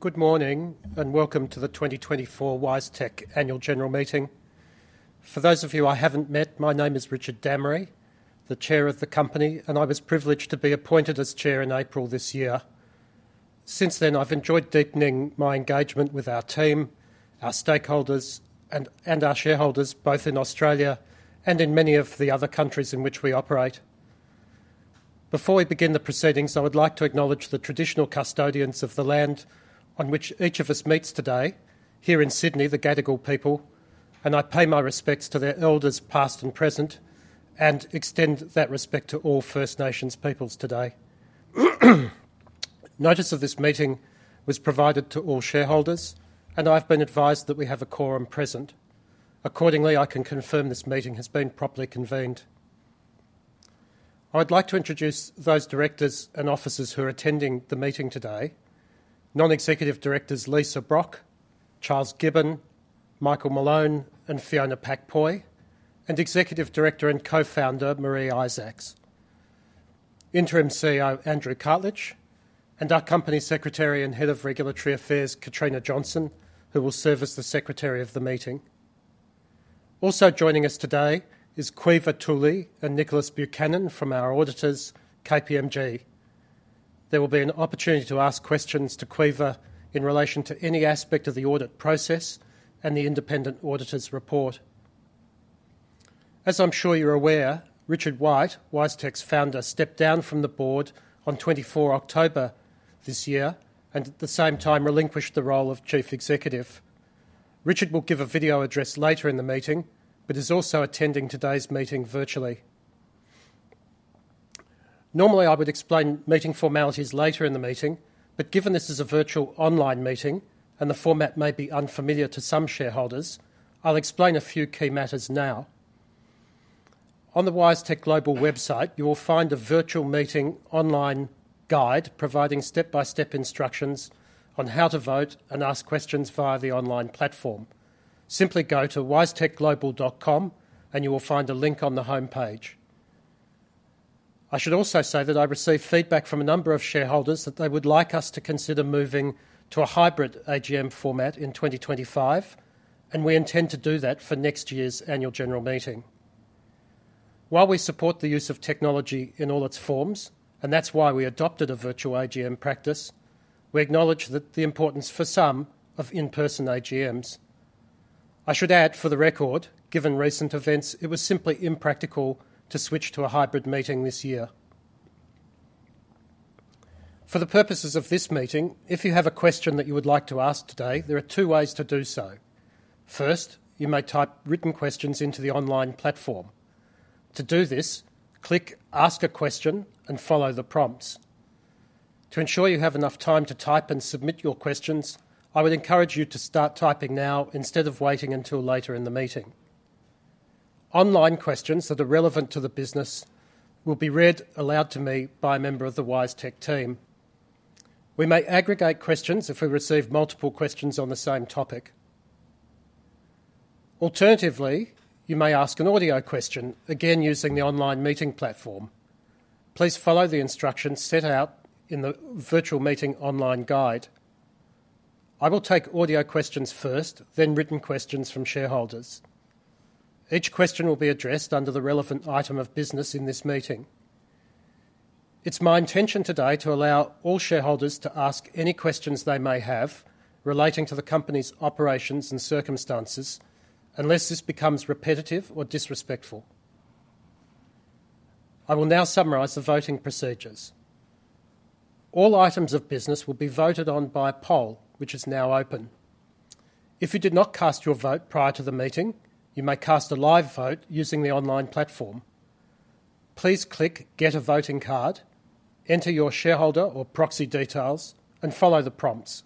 Good morning and welcome to the 2024 WiseTech Annual General Meeting. For those of you I haven't met, my name is Richard Dammery, the Chair of the company, and I was privileged to be appointed as Chair in April this year. Since then, I've enjoyed deepening my engagement with our team, our stakeholders, and our shareholders, both in Australia and in many of the other countries in which we operate. Before we begin the proceedings, I would like to acknowledge the traditional custodians of the land on which each of us meets today, here in Sydney, the Gadigal people, and I pay my respects to their elders past and present, and extend that respect to all First Nations peoples today. Notice of this meeting was provided to all shareholders, and I've been advised that we have a quorum present. Accordingly, I can confirm this meeting has been properly convened. I'd like to introduce those directors and officers who are attending the meeting today: Non-Executive Directors Lisa Brock, Charles Gibbon, Michael Malone, and Fiona Pak-Poy, and Executive Director and Co-founder Maree Isaacs, Interim CEO Andrew Cartledge, and our Company Secretary and Head of Regulatory Affairs, Katrina Johnson, who will serve as the Secretary of the meeting. Also joining us today is Caoimhe Tooley and Nicholas Buchanan from our auditors, KPMG. There will be an opportunity to ask questions to Caoimhe in relation to any aspect of the audit process and the independent auditor's report. As I'm sure you're aware, Richard White, WiseTech's founder, stepped down from the board on 24 October this year and at the same time relinquished the role of Chief Executive. Richard will give a video address later in the meeting, but is also attending today's meeting virtually. Normally, I would explain meeting formalities later in the meeting, but given this is a virtual online meeting and the format may be unfamiliar to some shareholders, I'll explain a few key matters now. On the WiseTech Global website, you will find a Virtual Meeting Online Guide providing step-by-step instructions on how to vote and ask questions via the online platform. Simply go to wisetechglobal.com, and you will find a link on the homepage. I should also say that I received feedback from a number of shareholders that they would like us to consider moving to a hybrid AGM format in 2025, and we intend to do that for next year's Annual General Meeting. While we support the use of technology in all its forms, and that's why we adopted a virtual AGM practice, we acknowledge the importance for some of in-person AGMs. I should add, for the record, given recent events, it was simply impractical to switch to a hybrid meeting this year. For the purposes of this meeting, if you have a question that you would like to ask today, there are two ways to do so. First, you may type written questions into the online platform. To do this, click Ask a Question and follow the prompts. To ensure you have enough time to type and submit your questions, I would encourage you to start typing now instead of waiting until later in the meeting. Online questions that are relevant to the business will be read aloud to me by a member of the WiseTech team. We may aggregate questions if we receive multiple questions on the same topic. Alternatively, you may ask an audio question, again using the online meeting platform. Please follow the instructions set out in the Virtual Meeting Online Guide. I will take audio questions first, then written questions from shareholders. Each question will be addressed under the relevant item of business in this meeting. It's my intention today to allow all shareholders to ask any questions they may have relating to the company's operations and circumstances, unless this becomes repetitive or disrespectful. I will now summarize the voting procedures. All items of business will be voted on by poll, which is now open. If you did not cast your vote prior to the meeting, you may cast a live vote using the online platform. Please click Get a Voting Card, enter your shareholder or proxy details, and follow the prompts.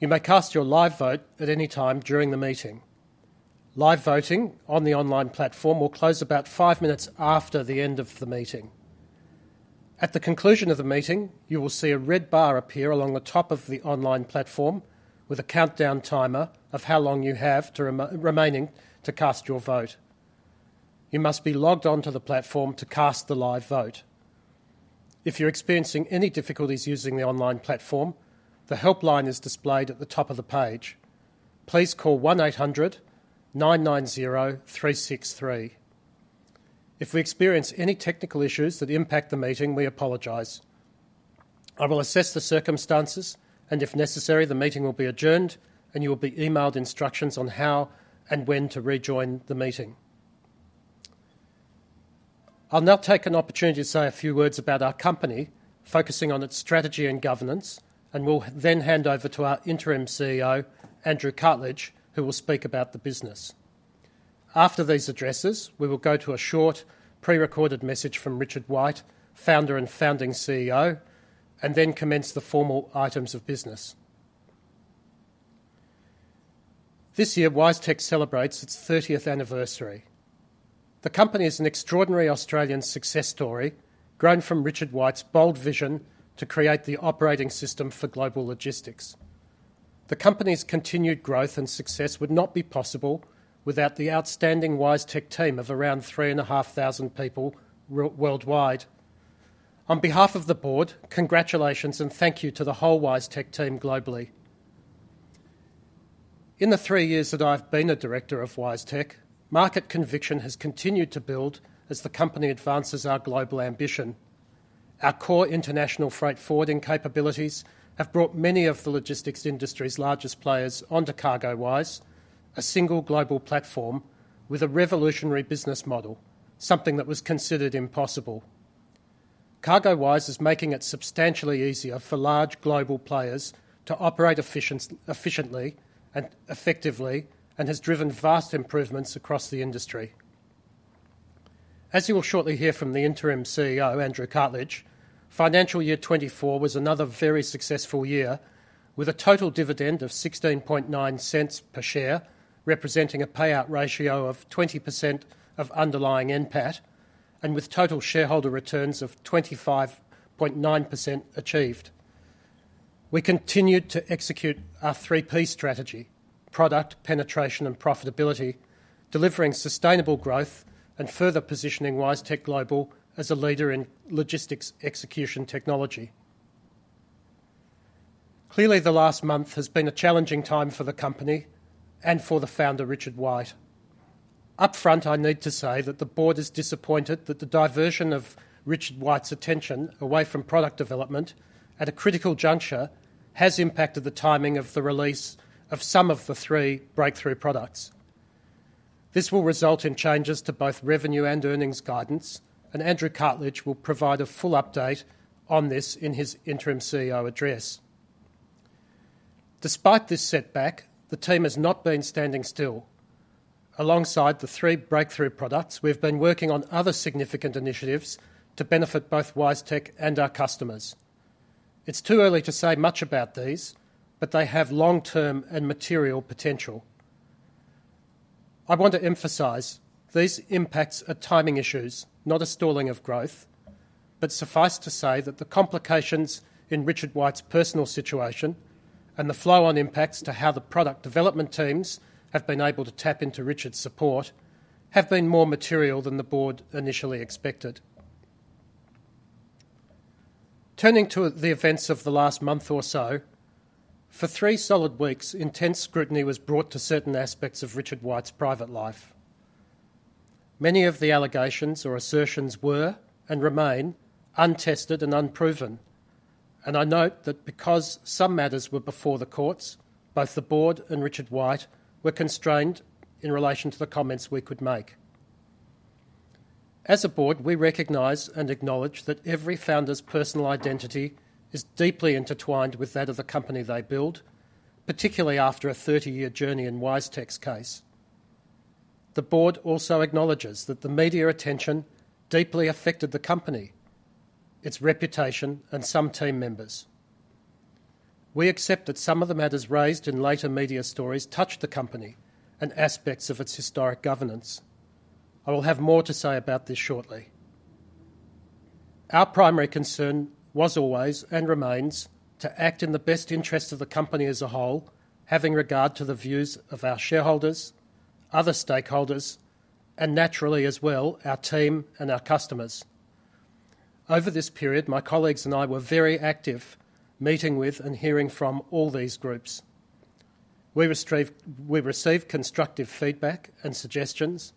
You may cast your live vote at any time during the meeting. Live voting on the online platform will close about five minutes after the end of the meeting. At the conclusion of the meeting, you will see a red bar appear along the top of the online platform with a countdown timer of how long you have remaining to cast your vote. You must be logged onto the platform to cast the live vote. If you're experiencing any difficulties using the online platform, the helpline is displayed at the top of the page. Please call 1-800-990-363. If we experience any technical issues that impact the meeting, we apologize. I will assess the circumstances, and if necessary, the meeting will be adjourned, and you will be emailed instructions on how and when to rejoin the meeting. I'll now take an opportunity to say a few words about our company, focusing on its strategy and governance, and will then hand over to our Interim CEO, Andrew Cartledge, who will speak about the business. After these addresses, we will go to a short pre-recorded message from Richard White, Founder and Founding CEO, and then commence the formal items of business. This year, WiseTech celebrates its 30th anniversary. The company is an extraordinary Australian success story, grown from Richard White's bold vision to create the operating system for global logistics. The company's continued growth and success would not be possible without the outstanding WiseTech team of around 3,500 people worldwide. On behalf of the board, congratulations and thank you to the whole WiseTech team globally. In the three years that I've been a Director of WiseTech, market conviction has continued to build as the company advances our global ambition. Our core international freight forwarding capabilities have brought many of the logistics industry's largest players onto CargoWise, a single global platform with a revolutionary business model, something that was considered impossible. CargoWise is making it substantially easier for large global players to operate efficiently and effectively and has driven vast improvements across the industry. As you will shortly hear from the Interim CEO, Andrew Cartledge, financial year 2024 was another very successful year with a total dividend of 0.169 per share, representing a payout ratio of 20% of underlying NPAT, and with total shareholder returns of 25.9% achieved. We continued to execute our 3P strategy: product, penetration, and profitability, delivering sustainable growth and further positioning WiseTech Global as a leader in logistics execution technology. Clearly, the last month has been a challenging time for the company and for the founder, Richard White. Upfront, I need to say that the board is disappointed that the diversion of Richard White's attention away from product development at a critical juncture has impacted the timing of the release of some of the three breakthrough products. This will result in changes to both revenue and earnings guidance, and Andrew Cartledge will provide a full update on this in his Interim CEO address. Despite this setback, the team has not been standing still. Alongside the three breakthrough products, we've been working on other significant initiatives to benefit both WiseTech and our customers. It's too early to say much about these, but they have long-term and material potential. I want to emphasize these impacts are timing issues, not a stalling of growth, but suffice to say that the complications in Richard White's personal situation and the flow-on impacts to how the product development teams have been able to tap into Richard's support have been more material than the board initially expected. Turning to the events of the last month or so, for three solid weeks, intense scrutiny was brought to certain aspects of Richard White's private life. Many of the allegations or assertions were and remain untested and unproven, and I note that because some matters were before the courts, both the board and Richard White were constrained in relation to the comments we could make. As a board, we recognize and acknowledge that every founder's personal identity is deeply intertwined with that of the company they build, particularly after a 30-year journey in WiseTech's case. The board also acknowledges that the media attention deeply affected the company, its reputation, and some team members. We accept that some of the matters raised in later media stories touched the company and aspects of its historic governance. I will have more to say about this shortly. Our primary concern was always and remains to act in the best interest of the company as a whole, having regard to the views of our shareholders, other stakeholders, and naturally as well, our team and our customers. Over this period, my colleagues and I were very active meeting with and hearing from all these groups. We received constructive feedback and suggestions,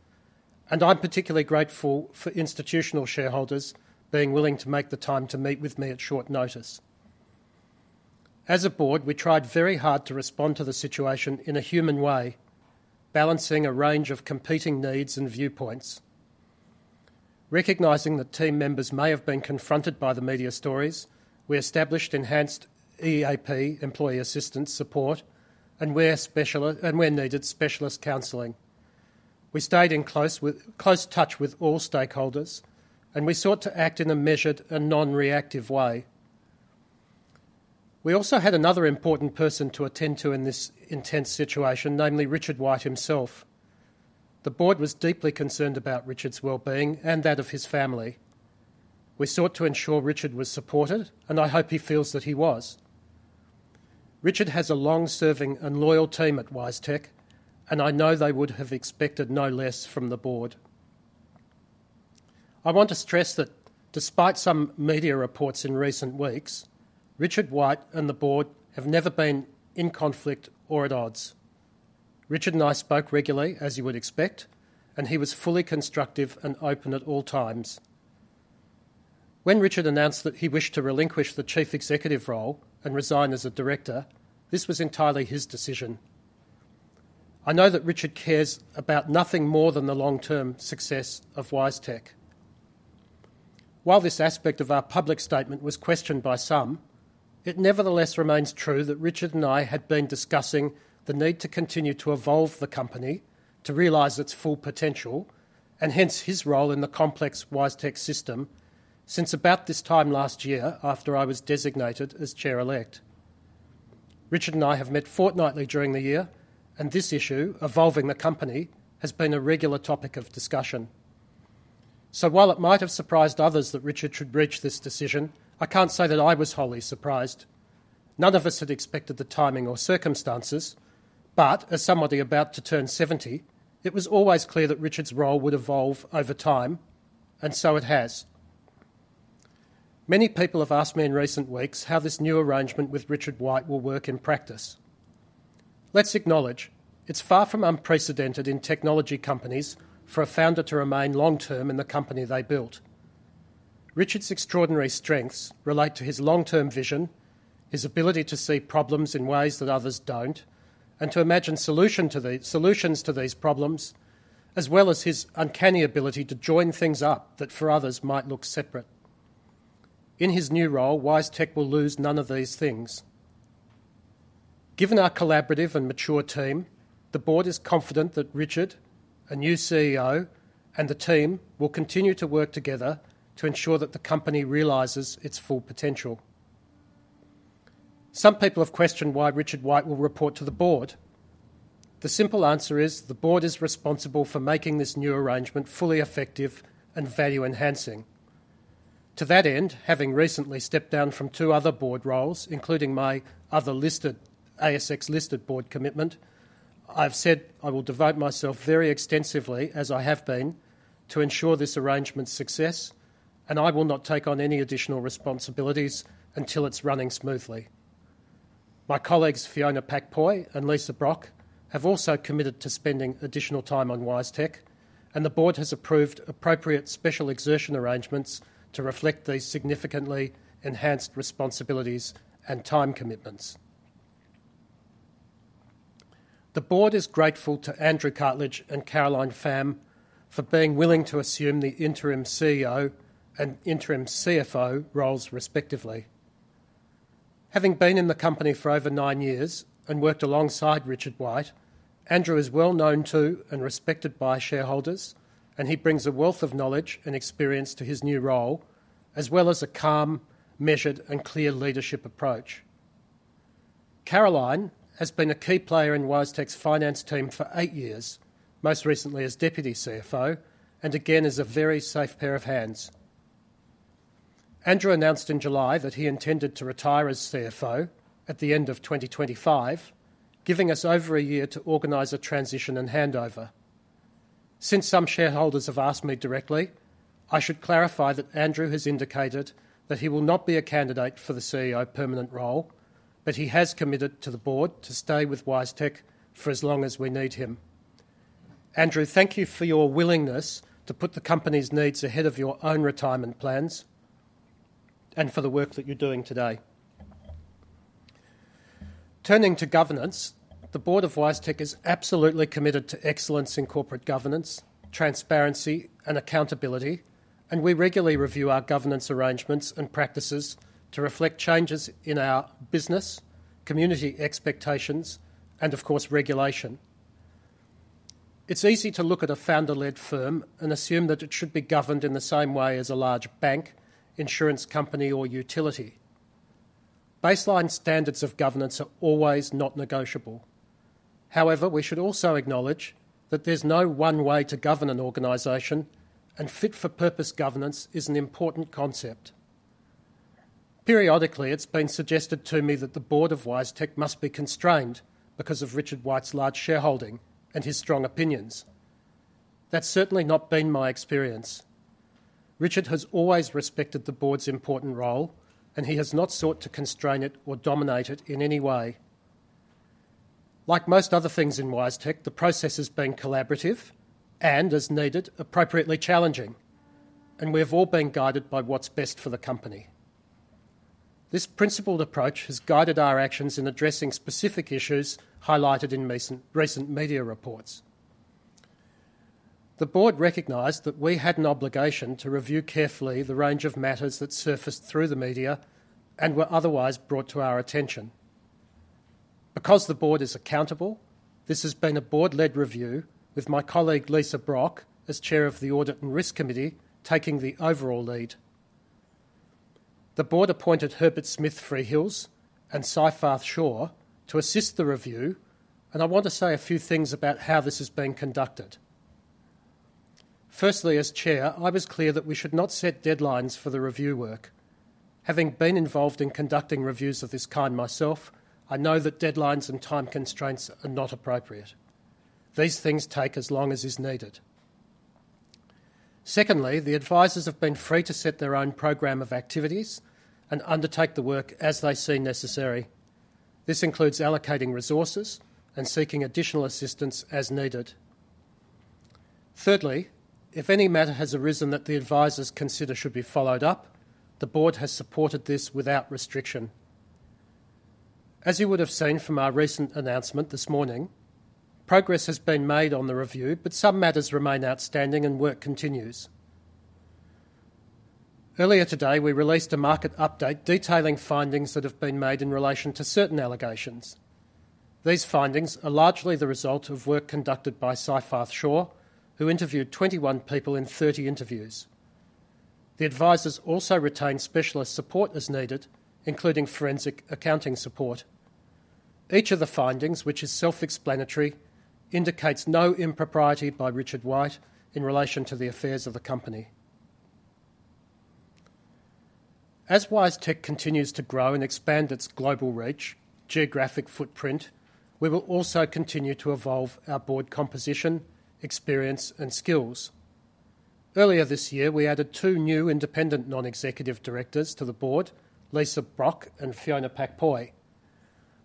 and I'm particularly grateful for institutional shareholders being willing to make the time to meet with me at short notice. As a board, we tried very hard to respond to the situation in a human way, balancing a range of competing needs and viewpoints. Recognizing that team members may have been confronted by the media stories, we established enhanced EAP, Employee Assistance Program, and where needed, specialist counseling. We stayed in close touch with all stakeholders, and we sought to act in a measured and non-reactive way. We also had another important person to attend to in this intense situation, namely Richard White himself. The board was deeply concerned about Richard's well-being and that of his family. We sought to ensure Richard was supported, and I hope he feels that he was. Richard has a long-serving and loyal team at WiseTech, and I know they would have expected no less from the board. I want to stress that despite some media reports in recent weeks, Richard White and the board have never been in conflict or at odds. Richard and I spoke regularly, as you would expect, and he was fully constructive and open at all times. When Richard announced that he wished to relinquish the Chief Executive role and resign as a Director, this was entirely his decision. I know that Richard cares about nothing more than the long-term success of WiseTech. While this aspect of our public statement was questioned by some, it nevertheless remains true that Richard and I had been discussing the need to continue to evolve the company to realize its full potential and hence his role in the complex WiseTech system since about this time last year after I was designated as Chair-Elect. Richard and I have met fortnightly during the year, and this issue, evolving the company, has been a regular topic of discussion. So while it might have surprised others that Richard should reach this decision, I can't say that I was wholly surprised. None of us had expected the timing or circumstances, but as somebody about to turn 70, it was always clear that Richard's role would evolve over time, and so it has. Many people have asked me in recent weeks how this new arrangement with Richard White will work in practice. Let's acknowledge it's far from unprecedented in technology companies for a founder to remain long-term in the company they built. Richard's extraordinary strengths relate to his long-term vision, his ability to see problems in ways that others don't, and to imagine solutions to these problems, as well as his uncanny ability to join things up that for others might look separate. In his new role, WiseTech will lose none of these things. Given our collaborative and mature team, the board is confident that Richard, a new CEO, and the team will continue to work together to ensure that the company realizes its full potential. Some people have questioned why Richard White will report to the board. The simple answer is the board is responsible for making this new arrangement fully effective and value-enhancing. To that end, having recently stepped down from two other board roles, including my other ASX-listed board commitment, I've said I will devote myself very extensively, as I have been, to ensure this arrangement's success, and I will not take on any additional responsibilities until it's running smoothly. My colleagues, Fiona Pak-Poy and Lisa Brock, have also committed to spending additional time on WiseTech, and the board has approved appropriate special retention arrangements to reflect these significantly enhanced responsibilities and time commitments. The board is grateful to Andrew Cartledge and Caroline Pham for being willing to assume the Interim CEO and Interim CFO roles, respectively. Having been in the company for over nine years and worked alongside Richard White, Andrew is well known to and respected by shareholders, and he brings a wealth of knowledge and experience to his new role, as well as a calm, measured, and clear leadership approach. Caroline has been a key player in WiseTech's finance team for eight years, most recently as Deputy CFO, and again is a very safe pair of hands. Andrew announced in July that he intended to retire as CFO at the end of 2025, giving us over a year to organize a transition and handover. Since some shareholders have asked me directly, I should clarify that Andrew has indicated that he will not be a candidate for the CEO permanent role, but he has committed to the board to stay with WiseTech for as long as we need him. Andrew, thank you for your willingness to put the company's needs ahead of your own retirement plans and for the work that you're doing today. Turning to governance, the board of WiseTech is absolutely committed to excellence in corporate governance, transparency, and accountability, and we regularly review our governance arrangements and practices to reflect changes in our business, community expectations, and of course, regulation. It's easy to look at a founder-led firm and assume that it should be governed in the same way as a large bank, insurance company, or utility. Baseline standards of governance are always not negotiable. However, we should also acknowledge that there's no one way to govern an organization, and fit-for-purpose governance is an important concept. Periodically, it's been suggested to me that the board of WiseTech must be constrained because of Richard White's large shareholding and his strong opinions. That's certainly not been my experience. Richard has always respected the board's important role, and he has not sought to constrain it or dominate it in any way. Like most other things in WiseTech, the process has been collaborative and, as needed, appropriately challenging, and we have all been guided by what's best for the company. This principled approach has guided our actions in addressing specific issues highlighted in recent media reports. The board recognized that we had an obligation to review carefully the range of matters that surfaced through the media and were otherwise brought to our attention. Because the board is accountable, this has been a board-led review with my colleague, Lisa Brock, as Chair of the Audit and Risk Committee, taking the overall lead. The board appointed Herbert Smith Freehills and Seyfarth Shaw to assist the review, and I want to say a few things about how this has been conducted. Firstly, as Chair, I was clear that we should not set deadlines for the review work. Having been involved in conducting reviews of this kind myself, I know that deadlines and time constraints are not appropriate. These things take as long as is needed. Secondly, the advisors have been free to set their own program of activities and undertake the work as they see necessary. This includes allocating resources and seeking additional assistance as needed. Thirdly, if any matter has arisen that the advisors consider should be followed up, the board has supported this without restriction. As you would have seen from our recent announcement this morning, progress has been made on the review, but some matters remain outstanding and work continues. Earlier today, we released a market update detailing findings that have been made in relation to certain allegations. These findings are largely the result of work conducted by Seyfarth Shaw, who interviewed 21 people in 30 interviews. The advisors also retained specialist support as needed, including forensic accounting support. Each of the findings, which is self-explanatory, indicates no impropriety by Richard White in relation to the affairs of the company. As WiseTech continues to grow and expand its global reach, geographic footprint, we will also continue to evolve our board composition, experience, and skills. Earlier this year, we added two new independent non-executive directors to the board, Lisa Brock and Fiona Pak-Poy.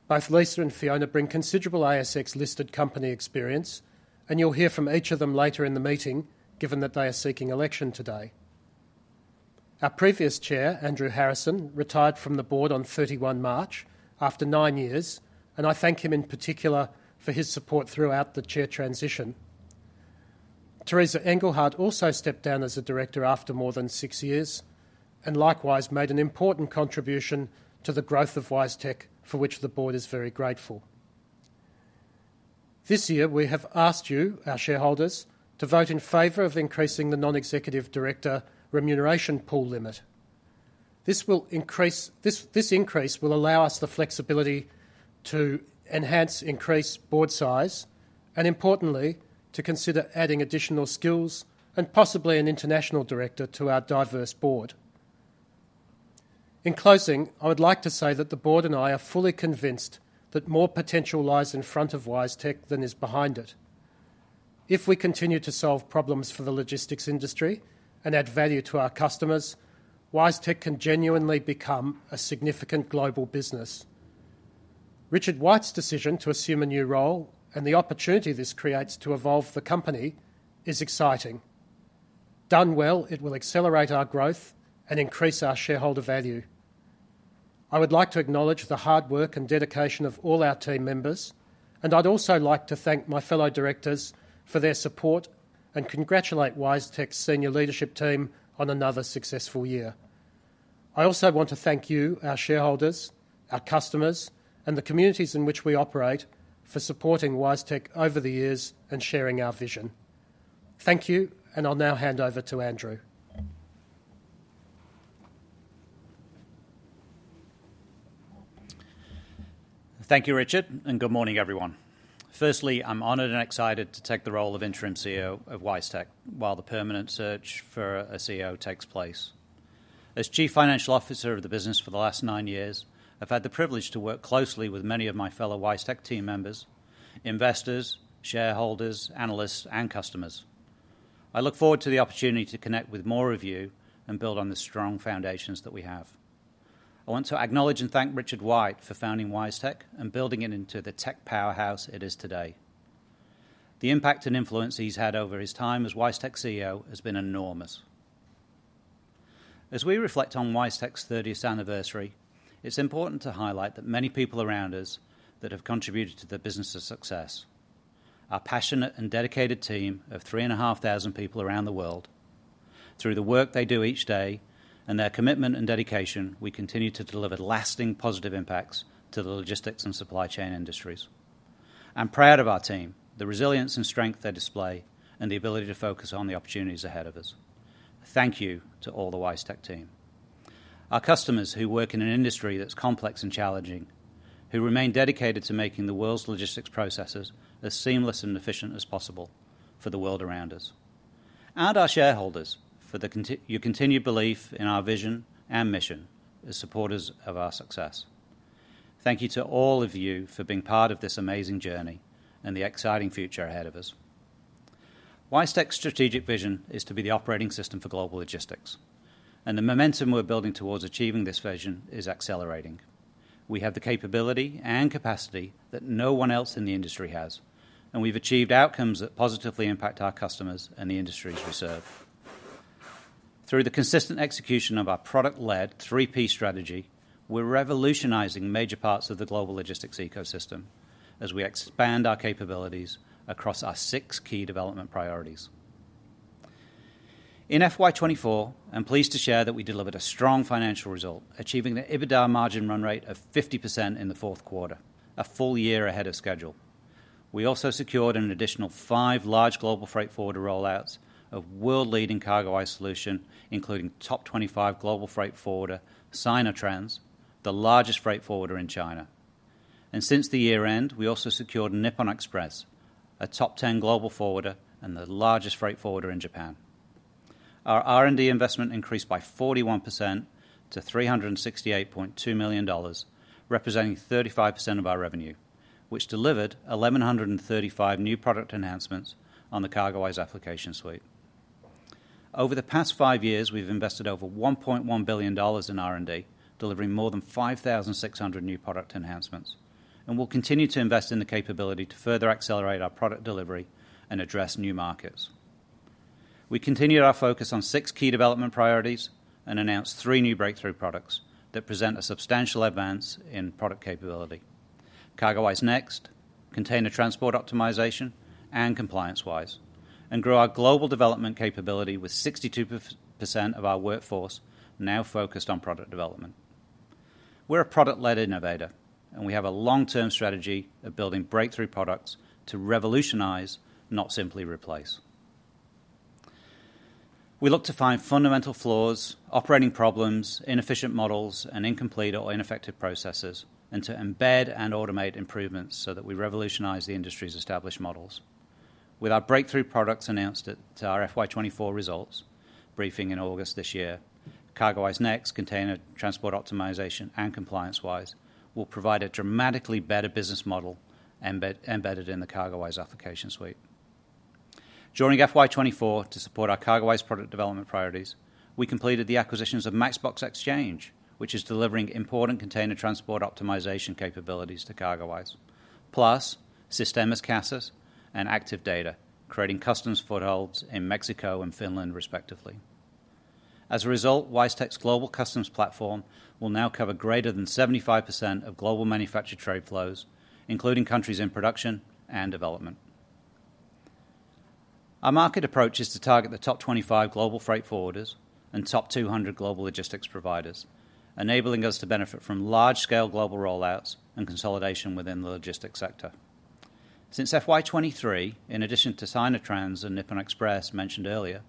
Both Lisa and Fiona bring considerable ASX-listed company experience, and you'll hear from each of them later in the meeting, given that they are seeking election today. Our previous Chair, Andrew Harrison, retired from the board on 31 March after nine years, and I thank him in particular for his support throughout the Chair transition. Teresa Engelhard also stepped down as a Director after more than six years and likewise made an important contribution to the growth of WiseTech, for which the board is very grateful. This year, we have asked you, our shareholders, to vote in favor of increasing the Non-Executive Director remuneration pool limit. This increase will allow us the flexibility to enhance, increase board size, and importantly, to consider adding additional skills and possibly an international director to our diverse board. In closing, I would like to say that the board and I are fully convinced that more potential lies in front of WiseTech than is behind it. If we continue to solve problems for the logistics industry and add value to our customers, WiseTech can genuinely become a significant global business. Richard White's decision to assume a new role and the opportunity this creates to evolve the company is exciting. Done well, it will accelerate our growth and increase our shareholder value. I would like to acknowledge the hard work and dedication of all our team members, and I'd also like to thank my fellow directors for their support and congratulate WiseTech's senior leadership team on another successful year. I also want to thank you, our shareholders, our customers, and the communities in which we operate for supporting WiseTech over the years and sharing our vision. Thank you, and I'll now hand over to Andrew. Thank you, Richard, and good morning, everyone. Firstly, I'm honored and excited to take the role of Interim CEO of WiseTech while the permanent search for a CEO takes place. As Chief Financial Officer of the business for the last nine years, I've had the privilege to work closely with many of my fellow WiseTech team members, investors, shareholders, analysts, and customers. I look forward to the opportunity to connect with more of you and build on the strong foundations that we have. I want to acknowledge and thank Richard White for founding WiseTech and building it into the tech powerhouse it is today. The impact and influence he's had over his time as WiseTech CEO has been enormous. As we reflect on WiseTech's 30th anniversary, it's important to highlight that many people around us that have contributed to the business's success, our passionate and dedicated team of 3,500 people around the world. Through the work they do each day and their commitment and dedication, we continue to deliver lasting positive impacts to the logistics and supply chain industries. I'm proud of our team, the resilience and strength they display, and the ability to focus on the opportunities ahead of us. Thank you to all the WiseTech team, our customers who work in an industry that's complex and challenging, who remain dedicated to making the world's logistics processes as seamless and efficient as possible for the world around us, and our shareholders for your continued belief in our vision and mission as supporters of our success. Thank you to all of you for being part of this amazing journey and the exciting future ahead of us. WiseTech's strategic vision is to be the operating system for global logistics, and the momentum we're building towards achieving this vision is accelerating. We have the capability and capacity that no one else in the industry has, and we've achieved outcomes that positively impact our customers and the industries we serve. Through the consistent execution of our product-led 3P strategy, we're revolutionizing major parts of the global logistics ecosystem as we expand our capabilities across our six key development priorities. In FY24, I'm pleased to share that we delivered a strong financial result, achieving an EBITDA margin run rate of 50% in the fourth quarter, a full year ahead of schedule. We also secured an additional five large global freight forwarder rollouts of world-leading CargoWise solution, including top 25 global freight forwarder Sinotrans, the largest freight forwarder in China, and since the year-end, we also secured Nippon Express, a top 10 global forwarder and the largest freight forwarder in Japan. Our R&D investment increased by 41% to 368.2 million dollars, representing 35% of our revenue, which delivered 1,135 new product enhancements on the CargoWise application suite. Over the past five years, we've invested over 1.1 billion dollars in R&D, delivering more than 5,600 new product enhancements, and we'll continue to invest in the capability to further accelerate our product delivery and address new markets. We continued our focus on six key development priorities and announced three new breakthrough products that present a substantial advance in product capability: CargoWise Next, Container Transport Optimization, and ComplianceWise, and grew our global development capability with 62% of our workforce now focused on product development. We're a product-led innovator, and we have a long-term strategy of building breakthrough products to revolutionize, not simply replace. We look to find fundamental flaws, operating problems, inefficient models, and incomplete or ineffective processes, and to embed and automate improvements so that we revolutionize the industry's established models. With our breakthrough products announced at our FY24 results briefing in August this year, CargoWise Next, Container Transport Optimization, and ComplianceWise will provide a dramatically better business model embedded in the CargoWise application suite. Joining FY24 to support our CargoWise product development priorities, we completed the acquisitions of MatchBox Exchange, which is delivering important container transport optimization capabilities to CargoWise, plus Sistemas Casa and Aktiv Data, creating customs footholds in Mexico and Finland, respectively. As a result, WiseTech's global customs platform will now cover greater than 75% of global manufactured trade flows, including countries in production and development. Our market approach is to target the top 25 global freight forwarders and top 200 global logistics providers, enabling us to benefit from large-scale global rollouts and consolidation within the logistics sector. Since FY23, in addition to Sinotrans and Nippon Express mentioned earlier,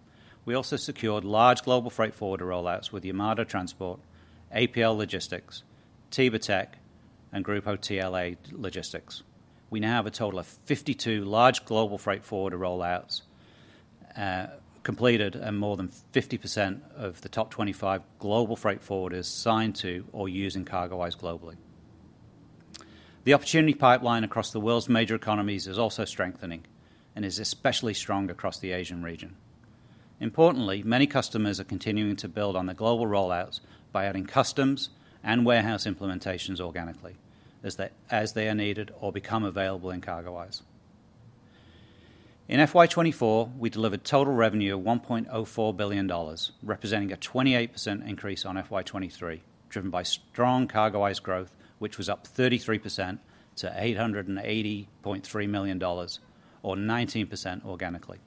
we also secured large global freight forwarder rollouts with Yamato Transport, APL Logistics, TIBA, and Grupo TLA. We now have a total of 52 large global freight forwarder rollouts completed, and more than 50% of the top 25 global freight forwarders signed to or using CargoWise globally. The opportunity pipeline across the world's major economies is also strengthening and is especially strong across the Asian region. Importantly, many customers are continuing to build on the global rollouts by adding customs and warehouse implementations organically as they are needed or become available in CargoWise. In FY24, we delivered total revenue of 1.04 billion dollars, representing a 28% increase on FY23, driven by strong CargoWise growth, which was up 33% to 880.3 million dollars or 19% organically.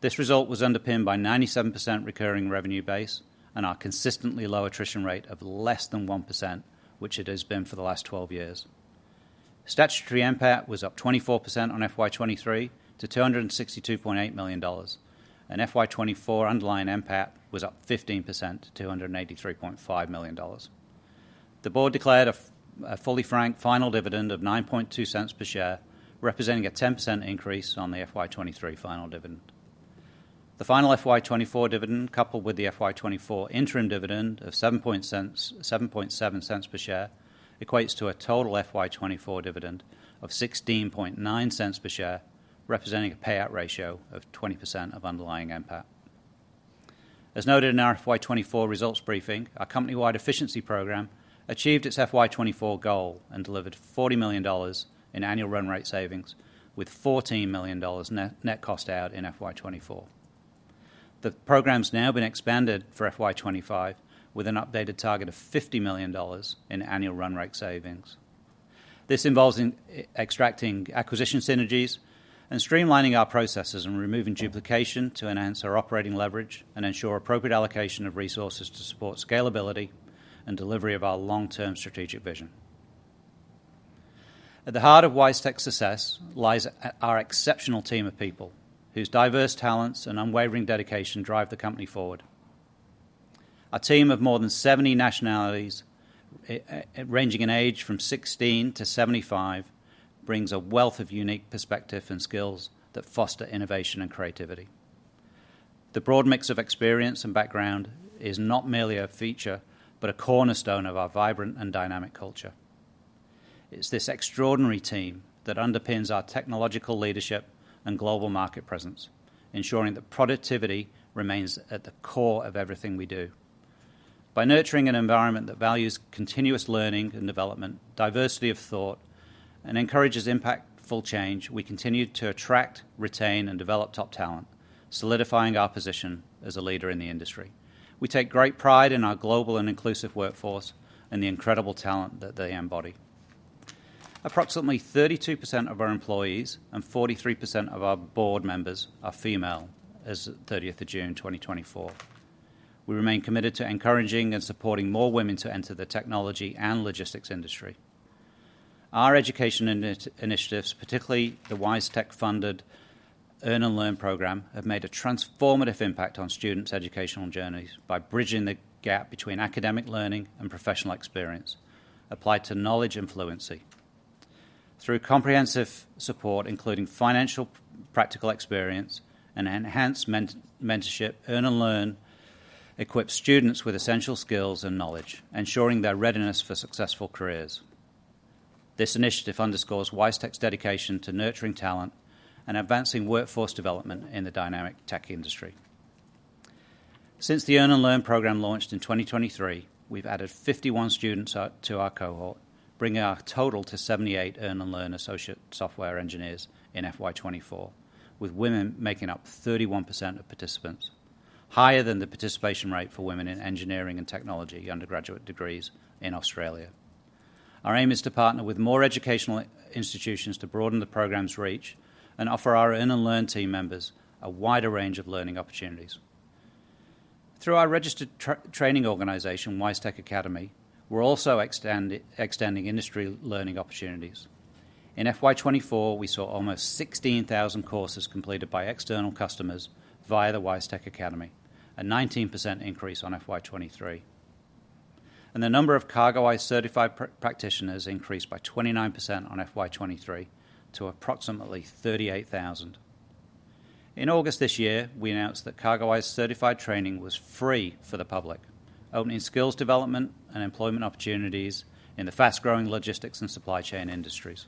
This result was underpinned by 97% recurring revenue base and our consistently low attrition rate of less than 1%, which it has been for the last 12 years. Statutory NPAT was up 24% on FY23 to 262.8 million dollars, and FY24 underlying NPAT was up 15% to 283.5 million dollars. The board declared a fully franked final dividend of 0.092 per share, representing a 10% increase on the FY23 final dividend. The final FY24 dividend, coupled with the FY24 interim dividend of 0.077 per share, equates to a total FY24 dividend of 0.169 per share, representing a payout ratio of 20% of underlying NPAT. As noted in our FY24 results briefing, our company-wide efficiency program achieved its FY24 goal and delivered 40 million dollars in annual run rate savings with 14 million dollars net cost out in FY24. The program's now been expanded for FY25 with an updated target of 50 million dollars in annual run rate savings. This involves extracting acquisition synergies and streamlining our processes and removing duplication to enhance our operating leverage and ensure appropriate allocation of resources to support scalability and delivery of our long-term strategic vision. At the heart of WiseTech's success lies our exceptional team of people whose diverse talents and unwavering dedication drive the company forward. Our team of more than 70 nationalities, ranging in age from 16 to 75, brings a wealth of unique perspectives and skills that foster innovation and creativity. The broad mix of experience and background is not merely a feature but a cornerstone of our vibrant and dynamic culture. It's this extraordinary team that underpins our technological leadership and global market presence, ensuring that productivity remains at the core of everything we do. By nurturing an environment that values continuous learning and development, diversity of thought, and encourages impactful change, we continue to attract, retain, and develop top talent, solidifying our position as a leader in the industry. We take great pride in our global and inclusive workforce and the incredible talent that they embody. Approximately 32% of our employees and 43% of our board members are female as of 30 June 2024. We remain committed to encouraging and supporting more women to enter the technology and logistics industry. Our education initiatives, particularly the WiseTech-funded Earn & Learn program, have made a transformative impact on students' educational journeys by bridging the gap between academic learning and professional experience applied to knowledge and fluency. Through comprehensive support, including financial practical experience and enhanced mentorship, Earn & Learn equips students with essential skills and knowledge, ensuring their readiness for successful careers. This initiative underscores WiseTech's dedication to nurturing talent and advancing workforce development in the dynamic tech industry. Since the Earn & Learn program launched in 2023, we've added 51 students to our cohort, bringing our total to 78 Earn & Learn associate software engineers in FY24, with women making up 31% of participants, higher than the participation rate for women in engineering and technology undergraduate degrees in Australia. Our aim is to partner with more educational institutions to broaden the program's reach and offer our Earn & Learn team members a wider range of learning opportunities. Through our registered training organization, WiseTech Academy, we're also extending industry learning opportunities. In FY24, we saw almost 16,000 courses completed by external customers via the WiseTech Academy, a 19% increase on FY23. And the number of CargoWise certified practitioners increased by 29% on FY23 to approximately 38,000. In August this year, we announced that CargoWise certified training was free for the public, opening skills development and employment opportunities in the fast-growing logistics and supply chain industries.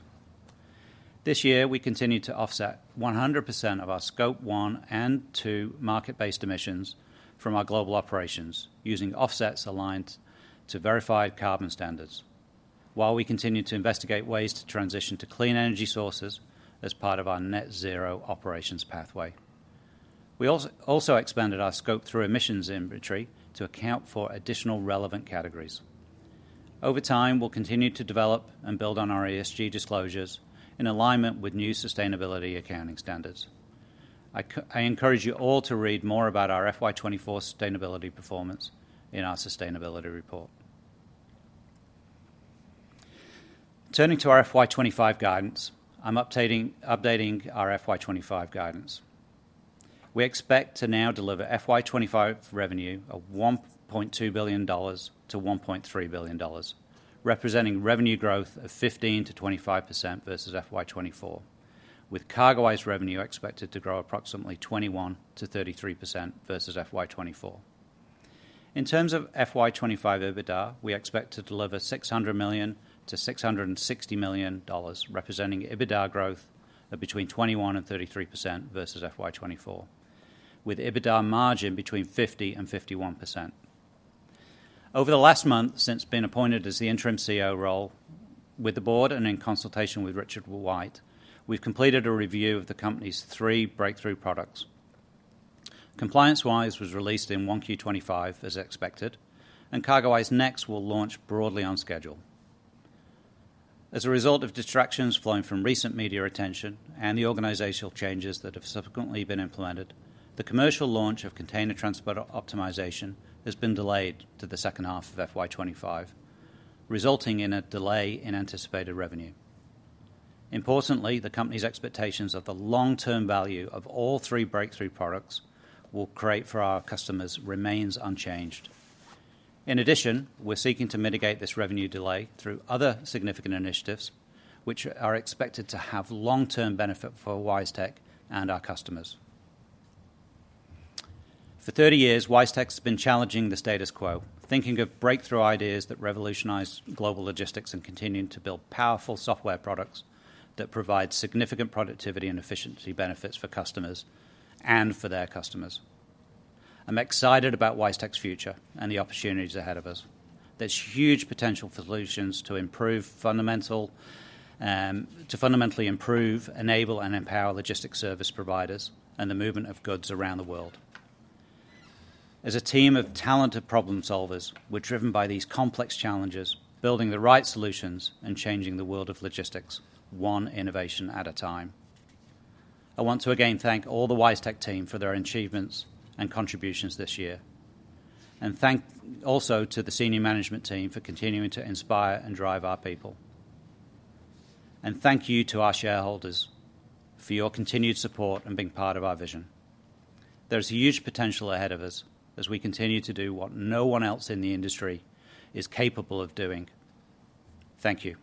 This year, we continued to offset 100% of our Scope 1 and 2 market-based emissions from our global operations using offsets aligned to verified carbon standards, while we continue to investigate ways to transition to clean energy sources as part of our net-zero operations pathway. We also expanded our scope through emissions inventory to account for additional relevant categories. Over time, we'll continue to develop and build on our ESG disclosures in alignment with new sustainability accounting standards. I encourage you all to read more about our FY24 sustainability performance in our sustainability report. Turning to our FY25 guidance, I'm updating our FY25 guidance. We expect to now deliver FY25 revenue of 1.2 billion-1.3 billion dollars, representing revenue growth of 15%-25% versus FY24, with CargoWise revenue expected to grow approximately 21%-33% versus FY24. In terms of FY25 EBITDA, we expect to deliver 600 million-660 million dollars, representing EBITDA growth of between 21% and 33% versus FY24, with EBITDA margin between 50% and 51%. Over the last month since being appointed as the interim CEO role, with the board and in consultation with Richard White, we've completed a review of the company's three breakthrough products. ComplianceWise was released in 1Q25, as expected, and CargoWise Next will launch broadly on schedule. As a result of distractions flowing from recent media attention and the organizational changes that have subsequently been implemented, the commercial launch of container transport optimization has been delayed to the second half of FY25, resulting in a delay in anticipated revenue. Importantly, the company's expectations of the long-term value of all three breakthrough products we'll create for our customers remain unchanged. In addition, we're seeking to mitigate this revenue delay through other significant initiatives, which are expected to have long-term benefit for WiseTech and our customers. For 30 years, WiseTech has been challenging the status quo, thinking of breakthrough ideas that revolutionize global logistics and continuing to build powerful software products that provide significant productivity and efficiency benefits for customers and for their customers. I'm excited about WiseTech's future and the opportunities ahead of us. There's huge potential for solutions to fundamentally improve, enable, and empower logistics service providers and the movement of goods around the world. As a team of talented problem solvers, we're driven by these complex challenges, building the right solutions and changing the world of logistics one innovation at a time. I want to again thank all the WiseTech team for their achievements and contributions this year, and thank also to the senior management team for continuing to inspire and drive our people. And thank you to our shareholders for your continued support and being part of our vision. There's huge potential ahead of us as we continue to do what no one else in the industry is capable of doing. Thank you.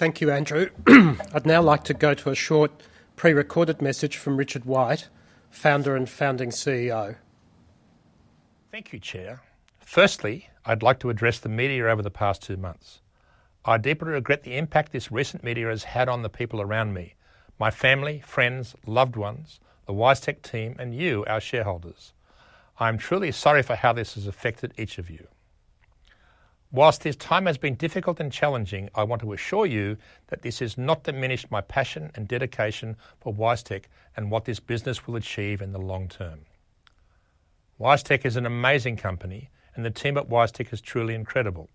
Thank you, Andrew. I'd now like to go to a short pre-recorded message from Richard White, founder and founding CEO. Thank you, Chair. Firstly, I'd like to address the media over the past two months. I deeply regret the impact this recent media has had on the people around me: my family, friends, loved ones, the WiseTech team, and you, our shareholders. I'm truly sorry for how this has affected each of you. While this time has been difficult and challenging, I want to assure you that this has not diminished my passion and dedication for WiseTech and what this business will achieve in the long-term. WiseTech is an amazing company, and the team at WiseTech is truly incredible.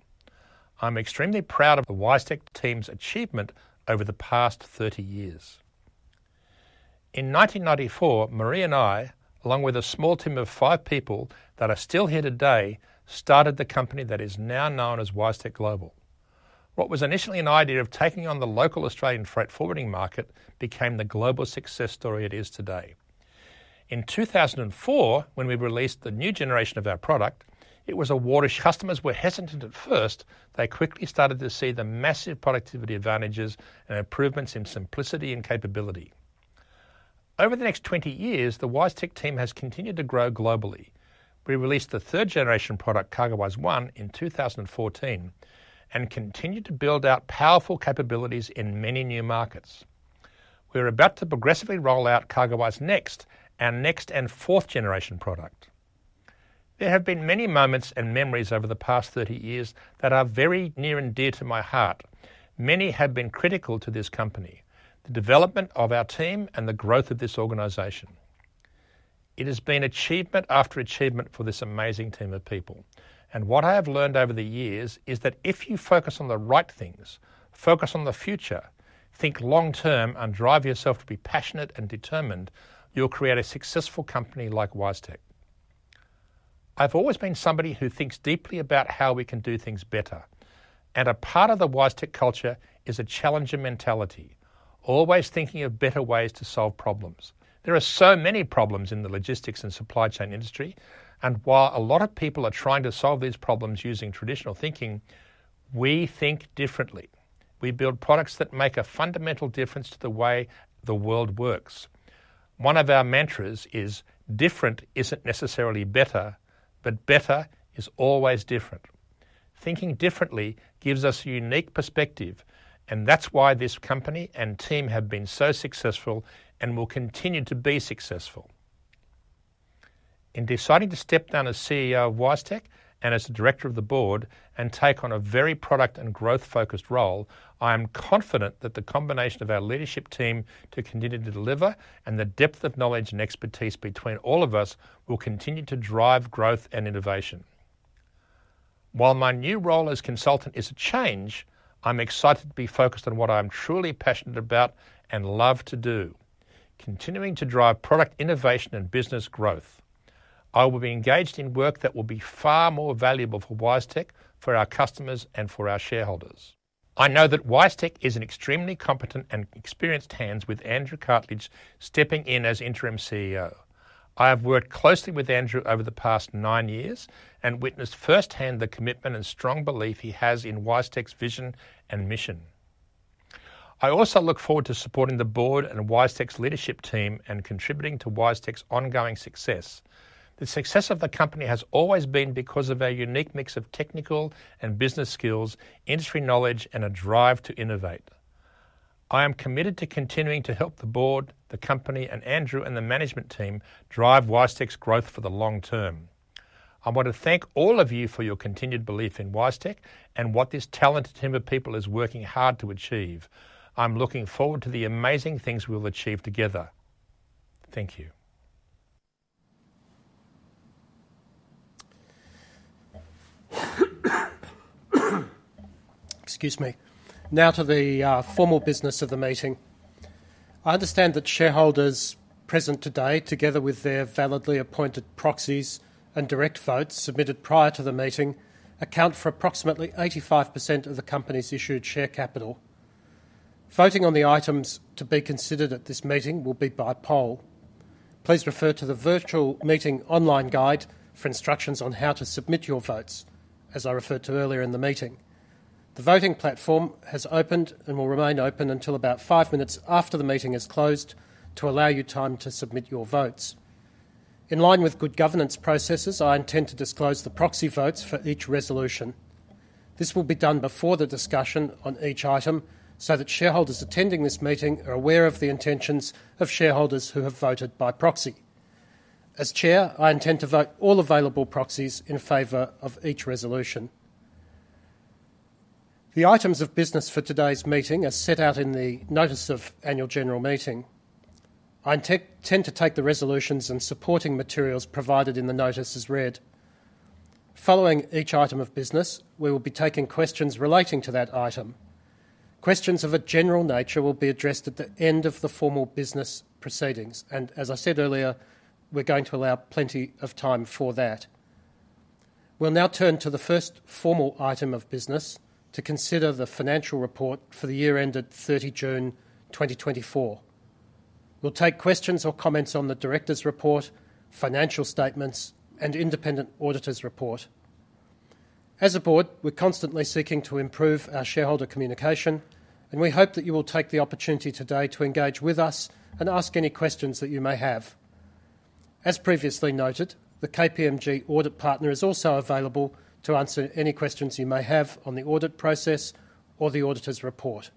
I'm extremely proud of the WiseTech team's achievement over the past 30 years. In 1994, Maree and I, along with a small team of five people that are still here today, started the company that is now known as WiseTech Global. What was initially an idea of taking on the local Australian freight forwarding market became the global success story it is today. In 2004, when we released the new generation of our product, it was a watershed. Customers were hesitant at first. They quickly started to see the massive productivity advantages and improvements in simplicity and capability. Over the next 20 years, the WiseTech team has continued to grow globally. We released the third-generation product, CargoWise One, in 2014 and continued to build out powerful capabilities in many new markets. We are about to progressively roll out CargoWise Next, our next and fourth-generation product. There have been many moments and memories over the past 30 years that are very near and dear to my heart. Many have been critical to this company, the development of our team, and the growth of this organization. It has been achievement after achievement for this amazing team of people. And what I have learned over the years is that if you focus on the right things, focus on the future, think long-term, and drive yourself to be passionate and determined, you'll create a successful company like WiseTech. I've always been somebody who thinks deeply about how we can do things better. And a part of the WiseTech culture is a challenger mentality, always thinking of better ways to solve problems. There are so many problems in the logistics and supply chain industry, and while a lot of people are trying to solve these problems using traditional thinking, we think differently. We build products that make a fundamental difference to the way the world works. One of our mantras is, "Different isn't necessarily better, but better is always different." Thinking differently gives us a unique perspective, and that's why this company and team have been so successful and will continue to be successful. In deciding to step down as CEO of WiseTech and as the director of the board and take on a very product and growth-focused role, I am confident that the combination of our leadership team to continue to deliver and the depth of knowledge and expertise between all of us will continue to drive growth and innovation. While my new role as consultant is a change, I'm excited to be focused on what I'm truly passionate about and love to do, continuing to drive product innovation and business growth. I will be engaged in work that will be far more valuable for WiseTech, for our customers, and for our shareholders. I know that WiseTech is in extremely competent and experienced hands with Andrew Cartledge stepping in as interim CEO. I have worked closely with Andrew over the past nine years and witnessed firsthand the commitment and strong belief he has in WiseTech's vision and mission. I also look forward to supporting the board and WiseTech's leadership team and contributing to WiseTech's ongoing success. The success of the company has always been because of our unique mix of technical and business skills, industry knowledge, and a drive to innovate. I am committed to continuing to help the board, the company, and Andrew and the management team drive WiseTech's growth for the long-term. I want to thank all of you for your continued belief in WiseTech and what this talented team of people is working hard to achieve. I'm looking forward to the amazing things we'll achieve together. Thank you. Excuse me. Now to the formal business of the meeting. I understand that shareholders present today, together with their validly appointed proxies and direct votes submitted prior to the meeting, account for approximately 85% of the company's issued share capital. Voting on the items to be considered at this meeting will be by poll. Please refer to the Virtual Meeting Online Guide for instructions on how to submit your votes, as I referred to earlier in the meeting. The voting platform has opened and will remain open until about five minutes after the meeting has closed to allow you time to submit your votes. In line with good governance processes, I intend to disclose the proxy votes for each resolution. This will be done before the discussion on each item so that shareholders attending this meeting are aware of the intentions of shareholders who have voted by proxy. As Chair, I intend to vote all available proxies in favor of each resolution. The items of business for today's meeting are set out in the Notice of Annual General Meeting. I intend to take the resolutions and supporting materials provided in the notice as read. Following each item of business, we will be taking questions relating to that item. Questions of a general nature will be addressed at the end of the formal business proceedings, and as I said earlier, we're going to allow plenty of time for that. We'll now turn to the first formal item of business to consider the financial report for the year ended 30 June 2024. We'll take questions or comments on the director's report, financial statements, and independent auditor's report. As a board, we're constantly seeking to improve our shareholder communication, and we hope that you will take the opportunity today to engage with us and ask any questions that you may have. As previously noted, the KPMG audit partner is also available to answer any questions you may have on the audit process or the auditor's report.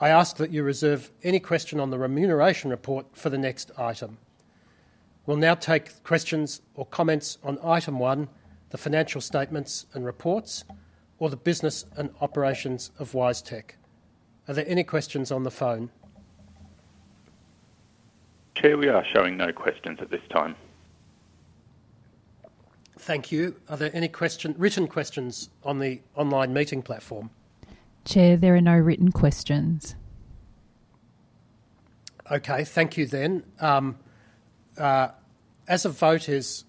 I ask that you reserve any question on the Remuneration Report for the next item. We'll now take questions or comments on item one, the financial statements and reports, or the business and operations of WiseTech. Are there any questions on the phone? Chair, we are showing no questions at this time. Thank you. Are there any written questions on the online meeting platform? Chair, there are no written questions. Okay. Thank you then. As a vote is